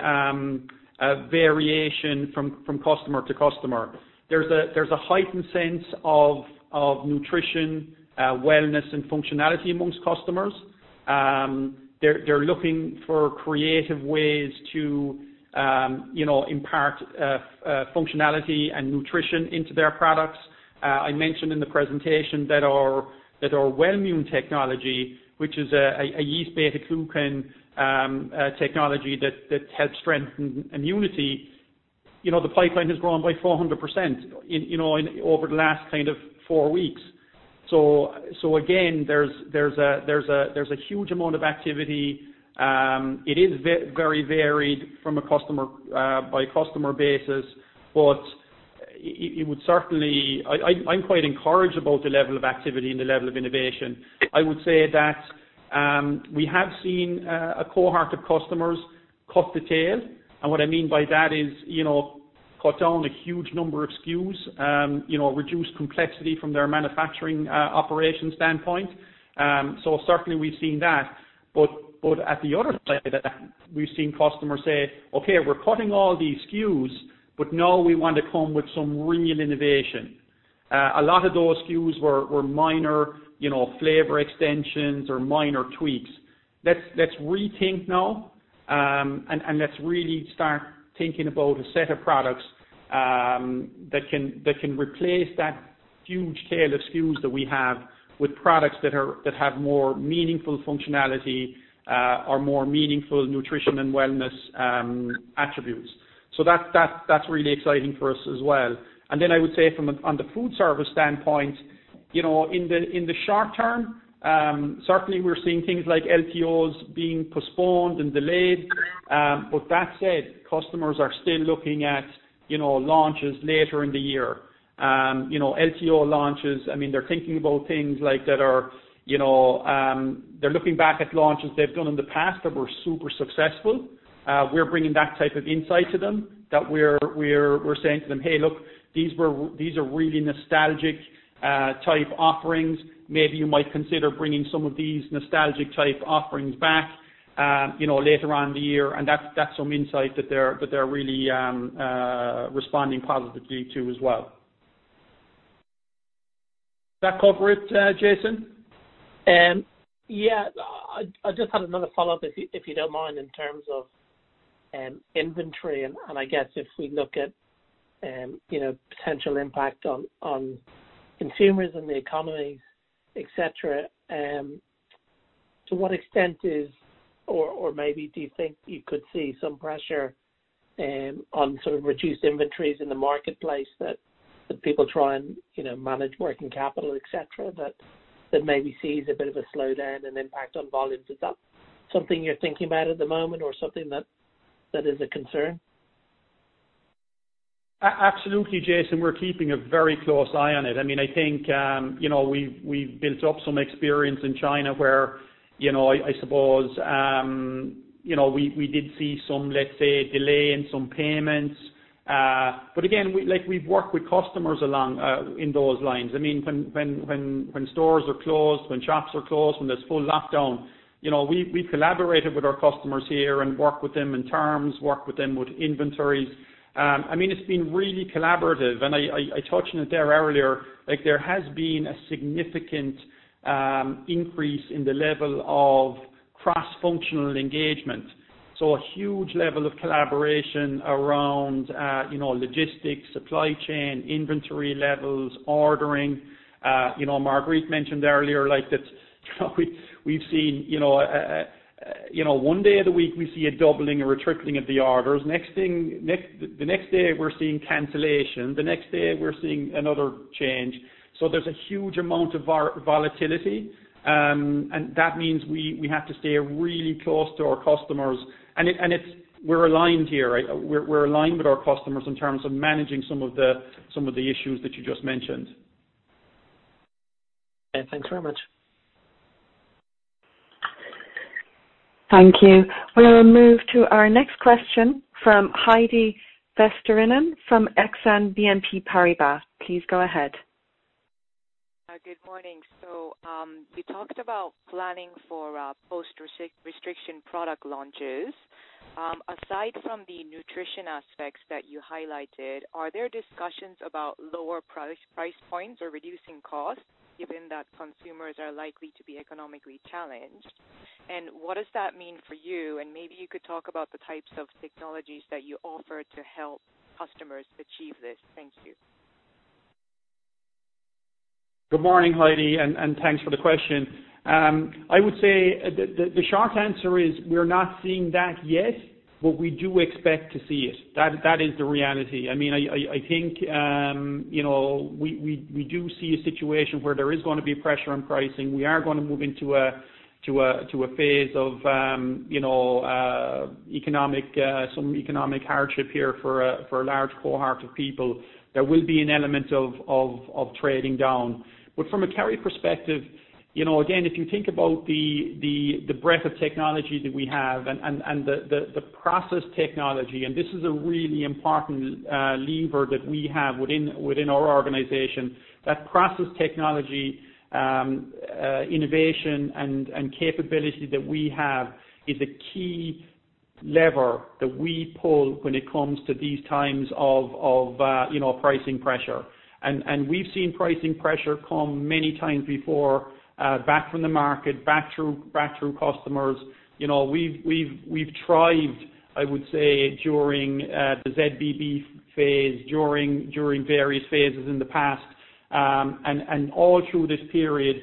variation from customer-to-customer. There's a heightened sense of nutrition, wellness, and functionality amongst customers. They're looking for creative ways to impart functionality and nutrition into their products. I mentioned in the presentation that our Wellmune technology, which is a yeast beta-glucan technology that helps strengthen immunity, the pipeline has grown by 400% over the last four weeks. Again, there's a huge amount of activity. It is very varied from a customer-by-customer basis, but I'm quite encouraged about the level of activity and the level of innovation. I would say that we have seen a cohort of customers cut the tail. What I mean by that is, cut down a huge number of SKUs, reduce complexity from their manufacturing operation standpoint. Certainly we've seen that. At the other side of that, we've seen customers say, "Okay, we're cutting all these SKUs, but now we want to come with some real innovation." A lot of those SKUs were minor flavor extensions or minor tweaks. Let's rethink now, and let's really start thinking about a set of products that can replace that huge tail of SKUs that we have with products that have more meaningful functionality or more meaningful nutrition and wellness attributes. That's really exciting for us as well. Then I would say from on the foodservice standpoint, in the short-term, certainly we're seeing things like LTOs being postponed and delayed. That said, customers are still looking at launches later in the year. LTO launches, they're looking back at launches they've done in the past that were super successful. We're bringing that type of insight to them that we're saying to them, "Hey, look, these are really nostalgic type offerings. Maybe you might consider bringing some of these nostalgic type offerings back later on in the year." That's some insight that they're really responding positively to as well. Does that cover it, Jason? Yeah. I just had another follow-up, if you don't mind, in terms of inventory. I guess if we look at potential impact on consumers and the economies, et cetera, to what extent is or maybe do you think you could see some pressure on sort of reduced inventories in the marketplace that people try and manage working capital, et cetera, that maybe sees a bit of a slowdown and impact on volumes? Is that something you're thinking about at the moment or something that is a concern? Absolutely, Jason, we're keeping a very close eye on it. I think we've built up some experience in China where I suppose we did see some, let's say, delay in some payments. Again, we've worked with customers along in those lines. When stores are closed, when shops are closed, when there's full lockdown, we collaborated with our customers here and worked with them with inventories. It's been really collaborative and I touched on it there earlier, there has been a significant increase in the level of cross-functional engagement, a huge level of collaboration around logistics, supply chain, inventory levels, ordering. Marguerite mentioned earlier that we've seen one day of the week we see a doubling or a tripling of the orders. The next day we're seeing cancellation. The next day we're seeing another change. There's a huge amount of volatility, and that means we have to stay really close to our customers, and we're aligned here. We're aligned with our customers in terms of managing some of the issues that you just mentioned. Okay. Thanks very much. Thank you. We'll now move to our next question from Heidi Vesterinen from Exane BNP Paribas. Please go ahead. Good morning. You talked about planning for post-restriction product launches. Aside from the nutrition aspects that you highlighted, are there discussions about lower price points or reducing costs given that consumers are likely to be economically challenged? What does that mean for you? Maybe you could talk about the types of technologies that you offer to help customers achieve this. Thank you. Good morning, Heidi. Thanks for the question. I would say the short answer is we're not seeing that yet, but we do expect to see it. That is the reality. I think we do see a situation where there is going to be pressure on pricing. We are going to move into a phase of some economic hardship here for a large cohort of people. There will be an element of trading down. From a Kerry perspective, again, if you think about the breadth of technology that we have and the process technology, this is a really important lever that we have within our organization. That process technology, innovation and capability that we have is a key lever that we pull when it comes to these times of pricing pressure. We've seen pricing pressure come many times before, back from the market, back through customers. We've thrived, I would say, during the ZBB phase, during various phases in the past. All through this period,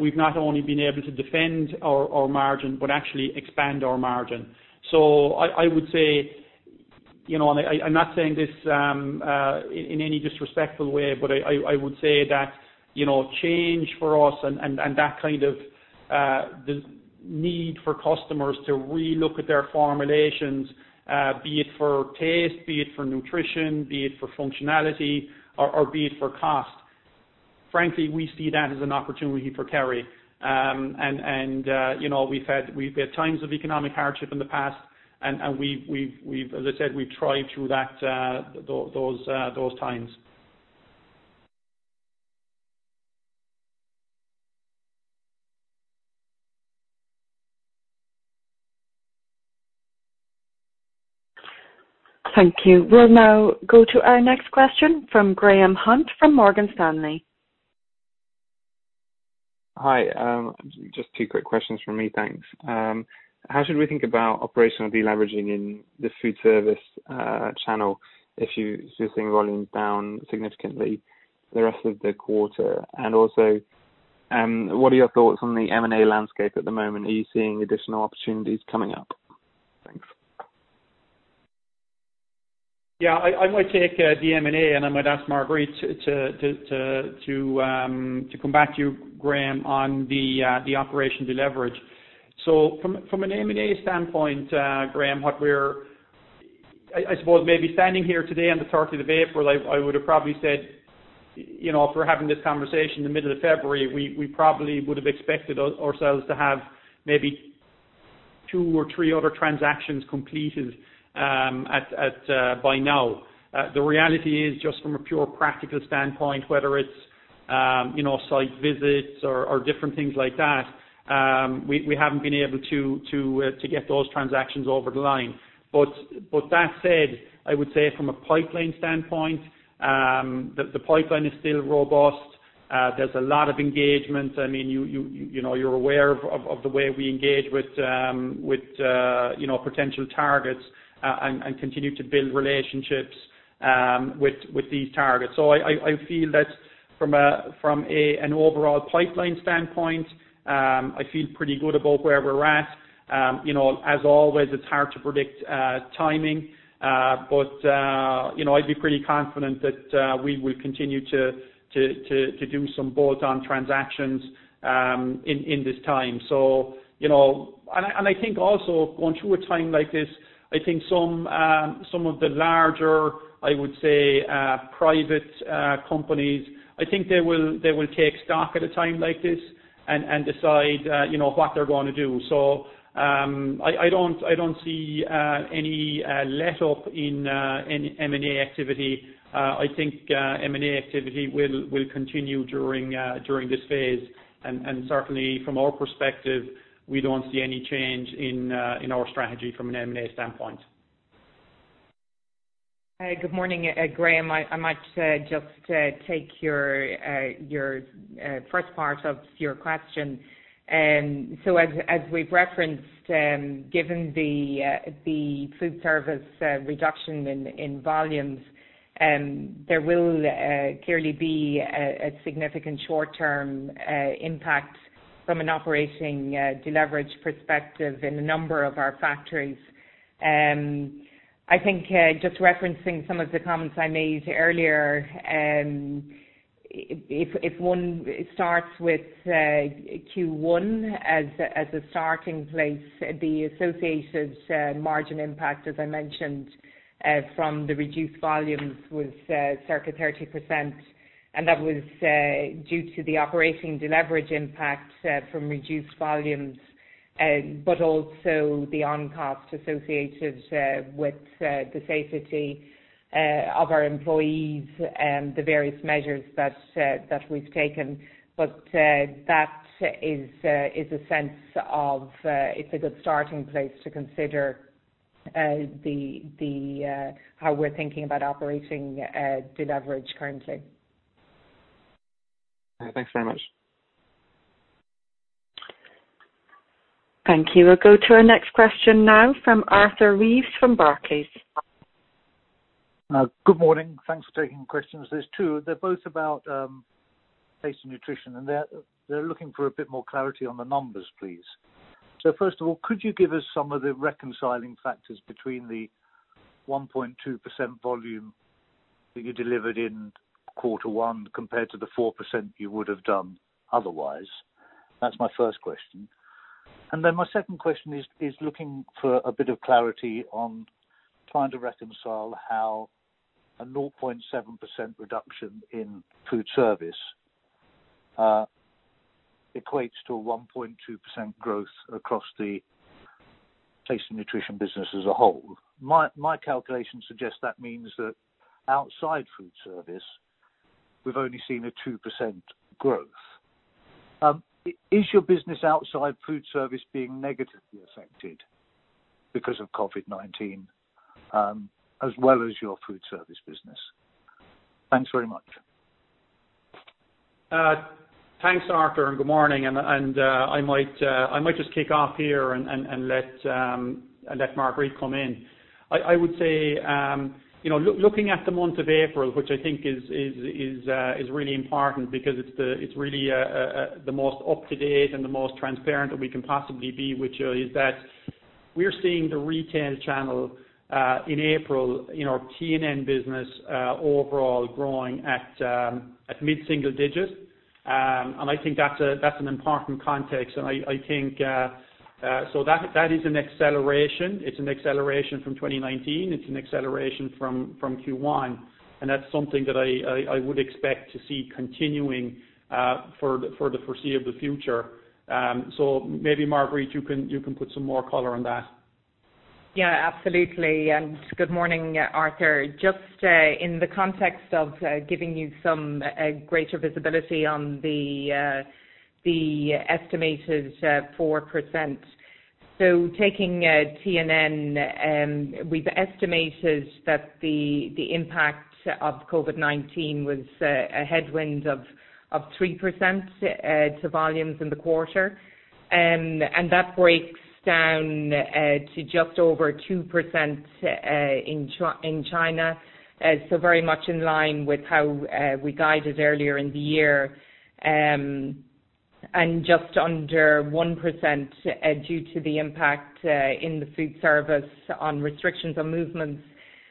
we've not only been able to defend our margin but actually expand our margin. I would say, I'm not saying this in any disrespectful way, but I would say that change for us and that kind of need for customers to relook at their formulations, be it for taste, be it for nutrition, be it for functionality, or be it for cost. Frankly, we see that as an opportunity for Kerry. We've had times of economic hardship in the past, and as I said, we've thrived through those times. Thank you. We will now go to our next question from Graham Hunt from Morgan Stanley. Hi. Just two quick questions from me, thanks. How should we think about operational deleveraging in the foodservice channel if you're seeing volumes down significantly the rest of the quarter? Also, what are your thoughts on the M&A landscape at the moment? Are you seeing additional opportunities coming up? Thanks. I might take the M&A, and I might ask Marguerite to come back to you, Graham, on the operation deleverage. From an M&A standpoint, Graham, I suppose maybe standing here today on the 30th of April, I would have probably said if we're having this conversation in the middle of February, we probably would have expected ourselves to have maybe two or three other transactions completed by now. The reality is, just from a pure practical standpoint, whether it's site visits or different things like that, we haven't been able to get those transactions over the line. That said, I would say from a pipeline standpoint, the pipeline is still robust. There's a lot of engagement. You're aware of the way we engage with potential targets and continue to build relationships with these targets. I feel that from an overall pipeline standpoint, I feel pretty good about where we're at. As always, it's hard to predict timing, but I'd be pretty confident that we will continue to do some bolt-on transactions in this time. I think also going through a time like this, I think some of the larger, I would say, private companies, I think they will take stock at a time like this and decide what they're going to do. I don't see any letup in M&A activity. I think M&A activity will continue during this phase. Certainly from our perspective, we don't see any change in our strategy from an M&A standpoint. Good morning, Graham. I might just take your first part of your question. As we've referenced, given the foodservice reduction in volumes, there will clearly be a significant short-term impact from an operating deleverage perspective in a number of our factories. I think just referencing some of the comments I made earlier, if one starts with Q1 as a starting place, the associated margin impact, as I mentioned from the reduced volumes was circa 30%. That was due to the operating deleverage impact from reduced volumes, but also the on cost associated with the safety of our employees and the various measures that we've taken. That is a sense of, it's a good starting place to consider how we're thinking about operating deleverage currently. Thanks very much. Thank you. We'll go to our next question now from Arthur Reeves from Barclays. Good morning. Thanks for taking questions. There's two. They're both about Taste & Nutrition, and they're looking for a bit more clarity on the numbers, please. First of all, could you give us some of the reconciling factors between the 1.2% volume that you delivered in quarter one compared to the 4% you would have done otherwise? That's my first question. My second question is looking for a bit of clarity on trying to reconcile how a 0.7% reduction in foodservice equates to a 1.2% growth across the Taste & Nutrition business as a whole. My calculation suggests that means that outside foodservice, we've only seen a 2% growth. Is your business outside foodservice being negatively affected because of COVID-19, as well as your foodservice business? Thanks very much. Thanks, Arthur. Good morning. I might just kick off here and let Marguerite come in. I would say, looking at the month of April, which I think is really important because it's really the most up-to-date and the most transparent that we can possibly be with you is that we're seeing the retail channel, in April, T&N business overall growing at mid-single digit. I think that's an important context. That is an acceleration. It's an acceleration from 2019. It's an acceleration from Q1, and that's something that I would expect to see continuing for the foreseeable future. Maybe Marguerite, you can put some more color on that. Yeah, absolutely. Good morning, Arthur. Just in the context of giving you some greater visibility on the estimated 4%. Taking T&N, we've estimated that the impact of COVID-19 was a headwind of 3% to volumes in the quarter. That breaks down to just over 2% in China. Very much in line with how we guided earlier in the year, and just under 1% due to the impact in the foodservice on restrictions on movements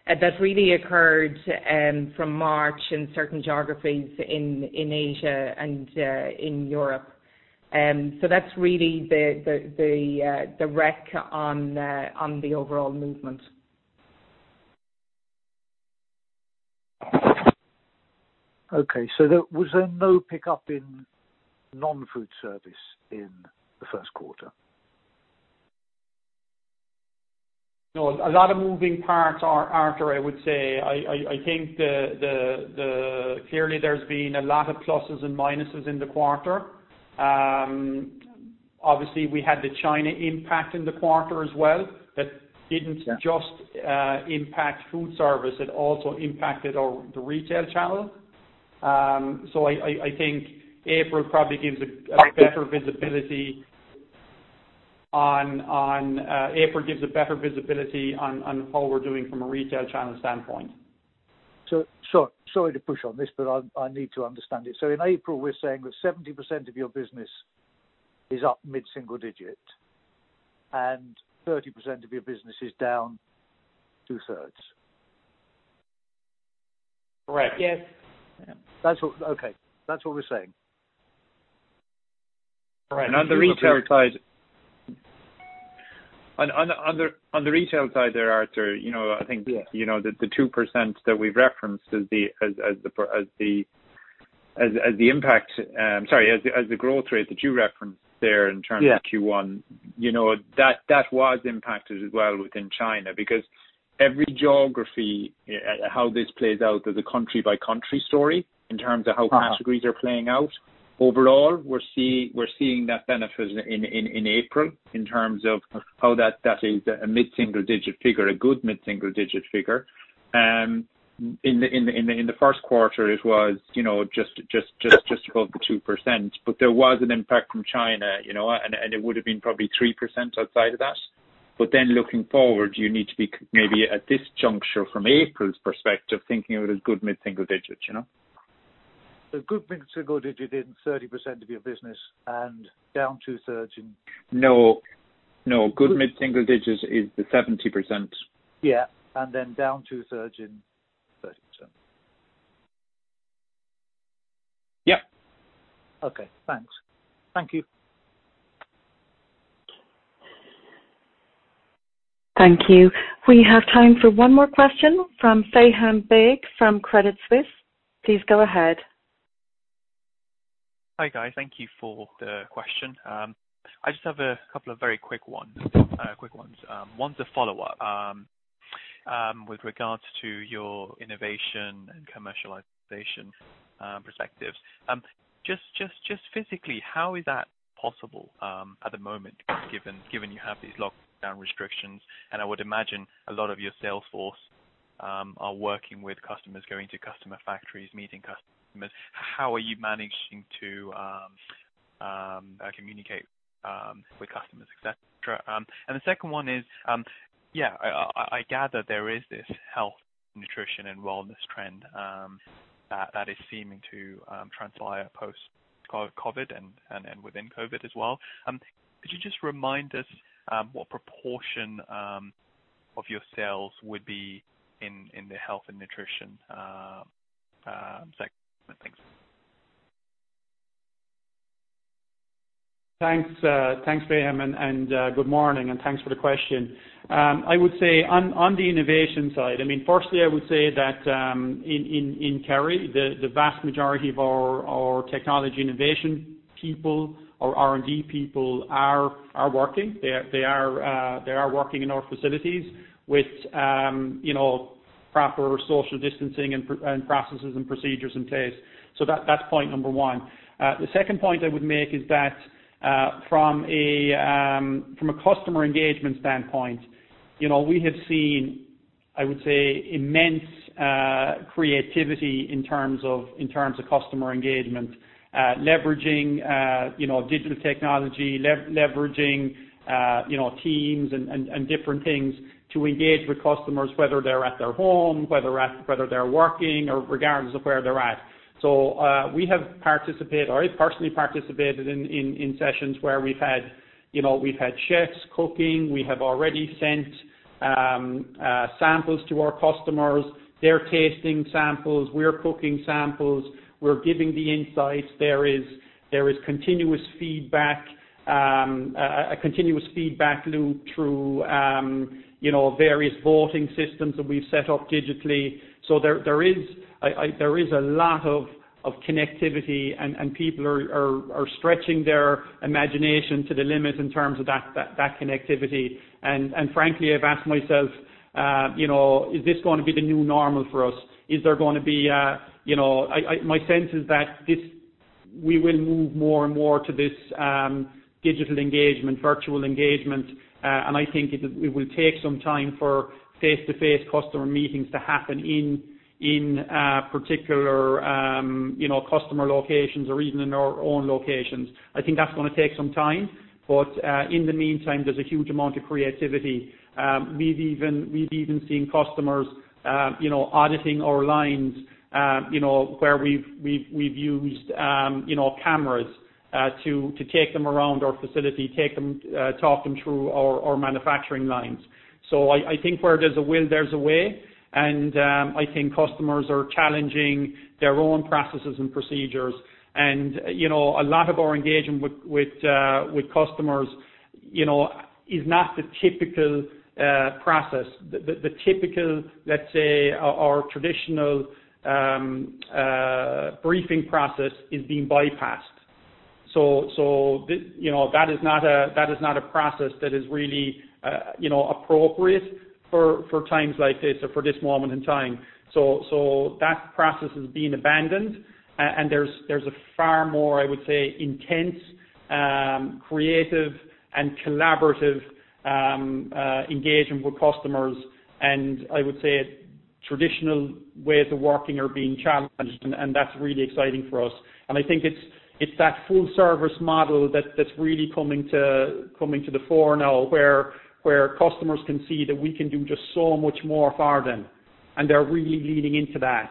that really occurred from March in certain geographies in Asia and in Europe. That's really the rec on the overall movement. Okay, was there no pickup in non-foodservice in the first quarter? No, a lot of moving parts, Arthur, I would say. I think clearly there's been a lot of pluses and minuses in the quarter. Obviously, we had the China impact in the quarter as well, that didn't just impact foodservice, it also impacted the retail channel. I think April probably gives a better visibility on how we're doing from a retail channel standpoint. Sorry to push on this, but I need to understand it. In April, we're saying that 70% of your business is up mid-single digit and 30% of your business is down 2/3. Correct. Yes. Okay. That's what we're saying. Correct. On the retail side, there, Arthur, I think the 2% that we've referenced as the impact, sorry, as the growth rate that you referenced there in terms of Q1. Yeah. That was impacted as well within China, because every geography, how this plays out as a country-by-country story in terms of how categories are playing out. Overall, we're seeing that benefit in April in terms of how that is a mid-single digit figure, a good mid-single digit figure. In the first quarter, it was just above the 2%. There was an impact from China. It would have been probably 3% outside of that. Looking forward, you need to be maybe at this juncture from April's perspective, thinking of it as good mid-single digits. Good mid-single digit in 30% of your business and down 2/3. No, good mid-single digits is the 70%. Yeah. Then down 2/3 in 30%. Yeah. Okay, thanks. Thank you. Thank you. We have time for one more question from Faham Baig from Credit Suisse. Please go ahead. Hi, guys. Thank you for the question. I just have a couple of very quick ones. One's a follow-up with regards to your innovation and commercialization perspectives. Just physically, how is that possible at the moment, given you have these lockdown restrictions, and I would imagine a lot of your sales force are working with customers, going to customer factories, meeting customers. How are you managing to communicate with customers, et cetera? The second one is, I gather there is this health, nutrition, and wellness trend that is seeming to transpire post-COVID and within COVID as well. Could you just remind us what proportion of your sales would be in the health and nutrition segment? Thanks. Thanks, Faham. Good morning, and thanks for the question. I would say on the innovation side, firstly, I would say that in Kerry, the vast majority of our technology innovation people, our R&D people, are working. They are working in our facilities with proper social distancing and processes and procedures in place. That's point number one. The second point I would make is that from a customer engagement standpoint, we have seen, I would say, immense creativity in terms of customer engagement. Leveraging digital technology, leveraging teams and different things to engage with customers, whether they're at their home, whether they're working, or regardless of where they're at. We have participated, or I personally participated in sessions where we've had chefs cooking. We have already sent samples to our customers. They're tasting samples. We're cooking samples. We're giving the insights. There is a continuous feedback loop through various voting systems that we've set up digitally. There is a lot of connectivity, and people are stretching their imagination to the limit in terms of that connectivity. Frankly, I've asked myself, is this going to be the new normal for us? My sense is that we will move more and more to this digital engagement, virtual engagement. I think it will take some time for face-to-face customer meetings to happen in particular customer locations or even in our own locations. I think that's going to take some time. In the meantime, there's a huge amount of creativity. We've even seen customers auditing our lines where we've used cameras to take them around our facility, talk them through our manufacturing lines. I think where there's a will, there's a way, and I think customers are challenging their own processes and procedures. A lot of our engagement with customers is not the typical process. The typical, let's say, our traditional briefing process is being bypassed. That is not a process that is really appropriate for times like this or for this moment in time. That process is being abandoned, and there's a far more, I would say, intense, creative, and collaborative engagement with customers. I would say traditional ways of working are being challenged, and that's really exciting for us. I think it's that full-service model that's really coming to the fore now where customers can see that we can do just so much more for them, and they're really leaning into that.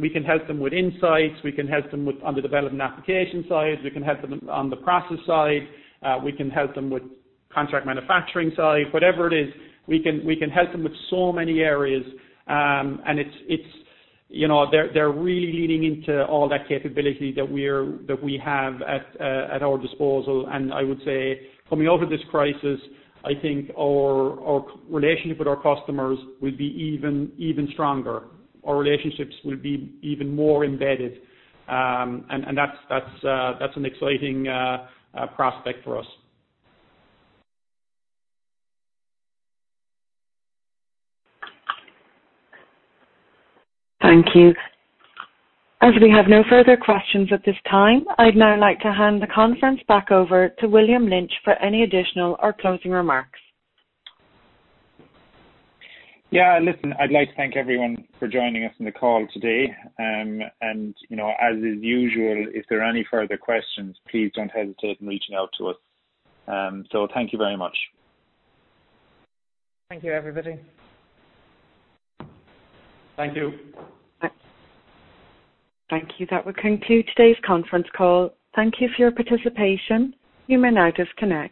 We can help them with insights. We can help them on the development application side. We can help them on the process side. We can help them with contract manufacturing side. Whatever it is, we can help them with so many areas. They're really leaning into all that capability that we have at our disposal. I would say coming out of this crisis, I think our relationship with our customers will be even stronger. Our relationships will be even more embedded. That's an exciting prospect for us. Thank you. As we have no further questions at this time, I'd now like to hand the conference back over to William Lynch for any additional or closing remarks. Yeah. Listen, I'd like to thank everyone for joining us on the call today. As is usual, if there are any further questions, please don't hesitate in reaching out to us. Thank you very much. Thank you, everybody. Thank you. Thank you. That will conclude today's conference call. Thank you for your participation. You may now disconnect.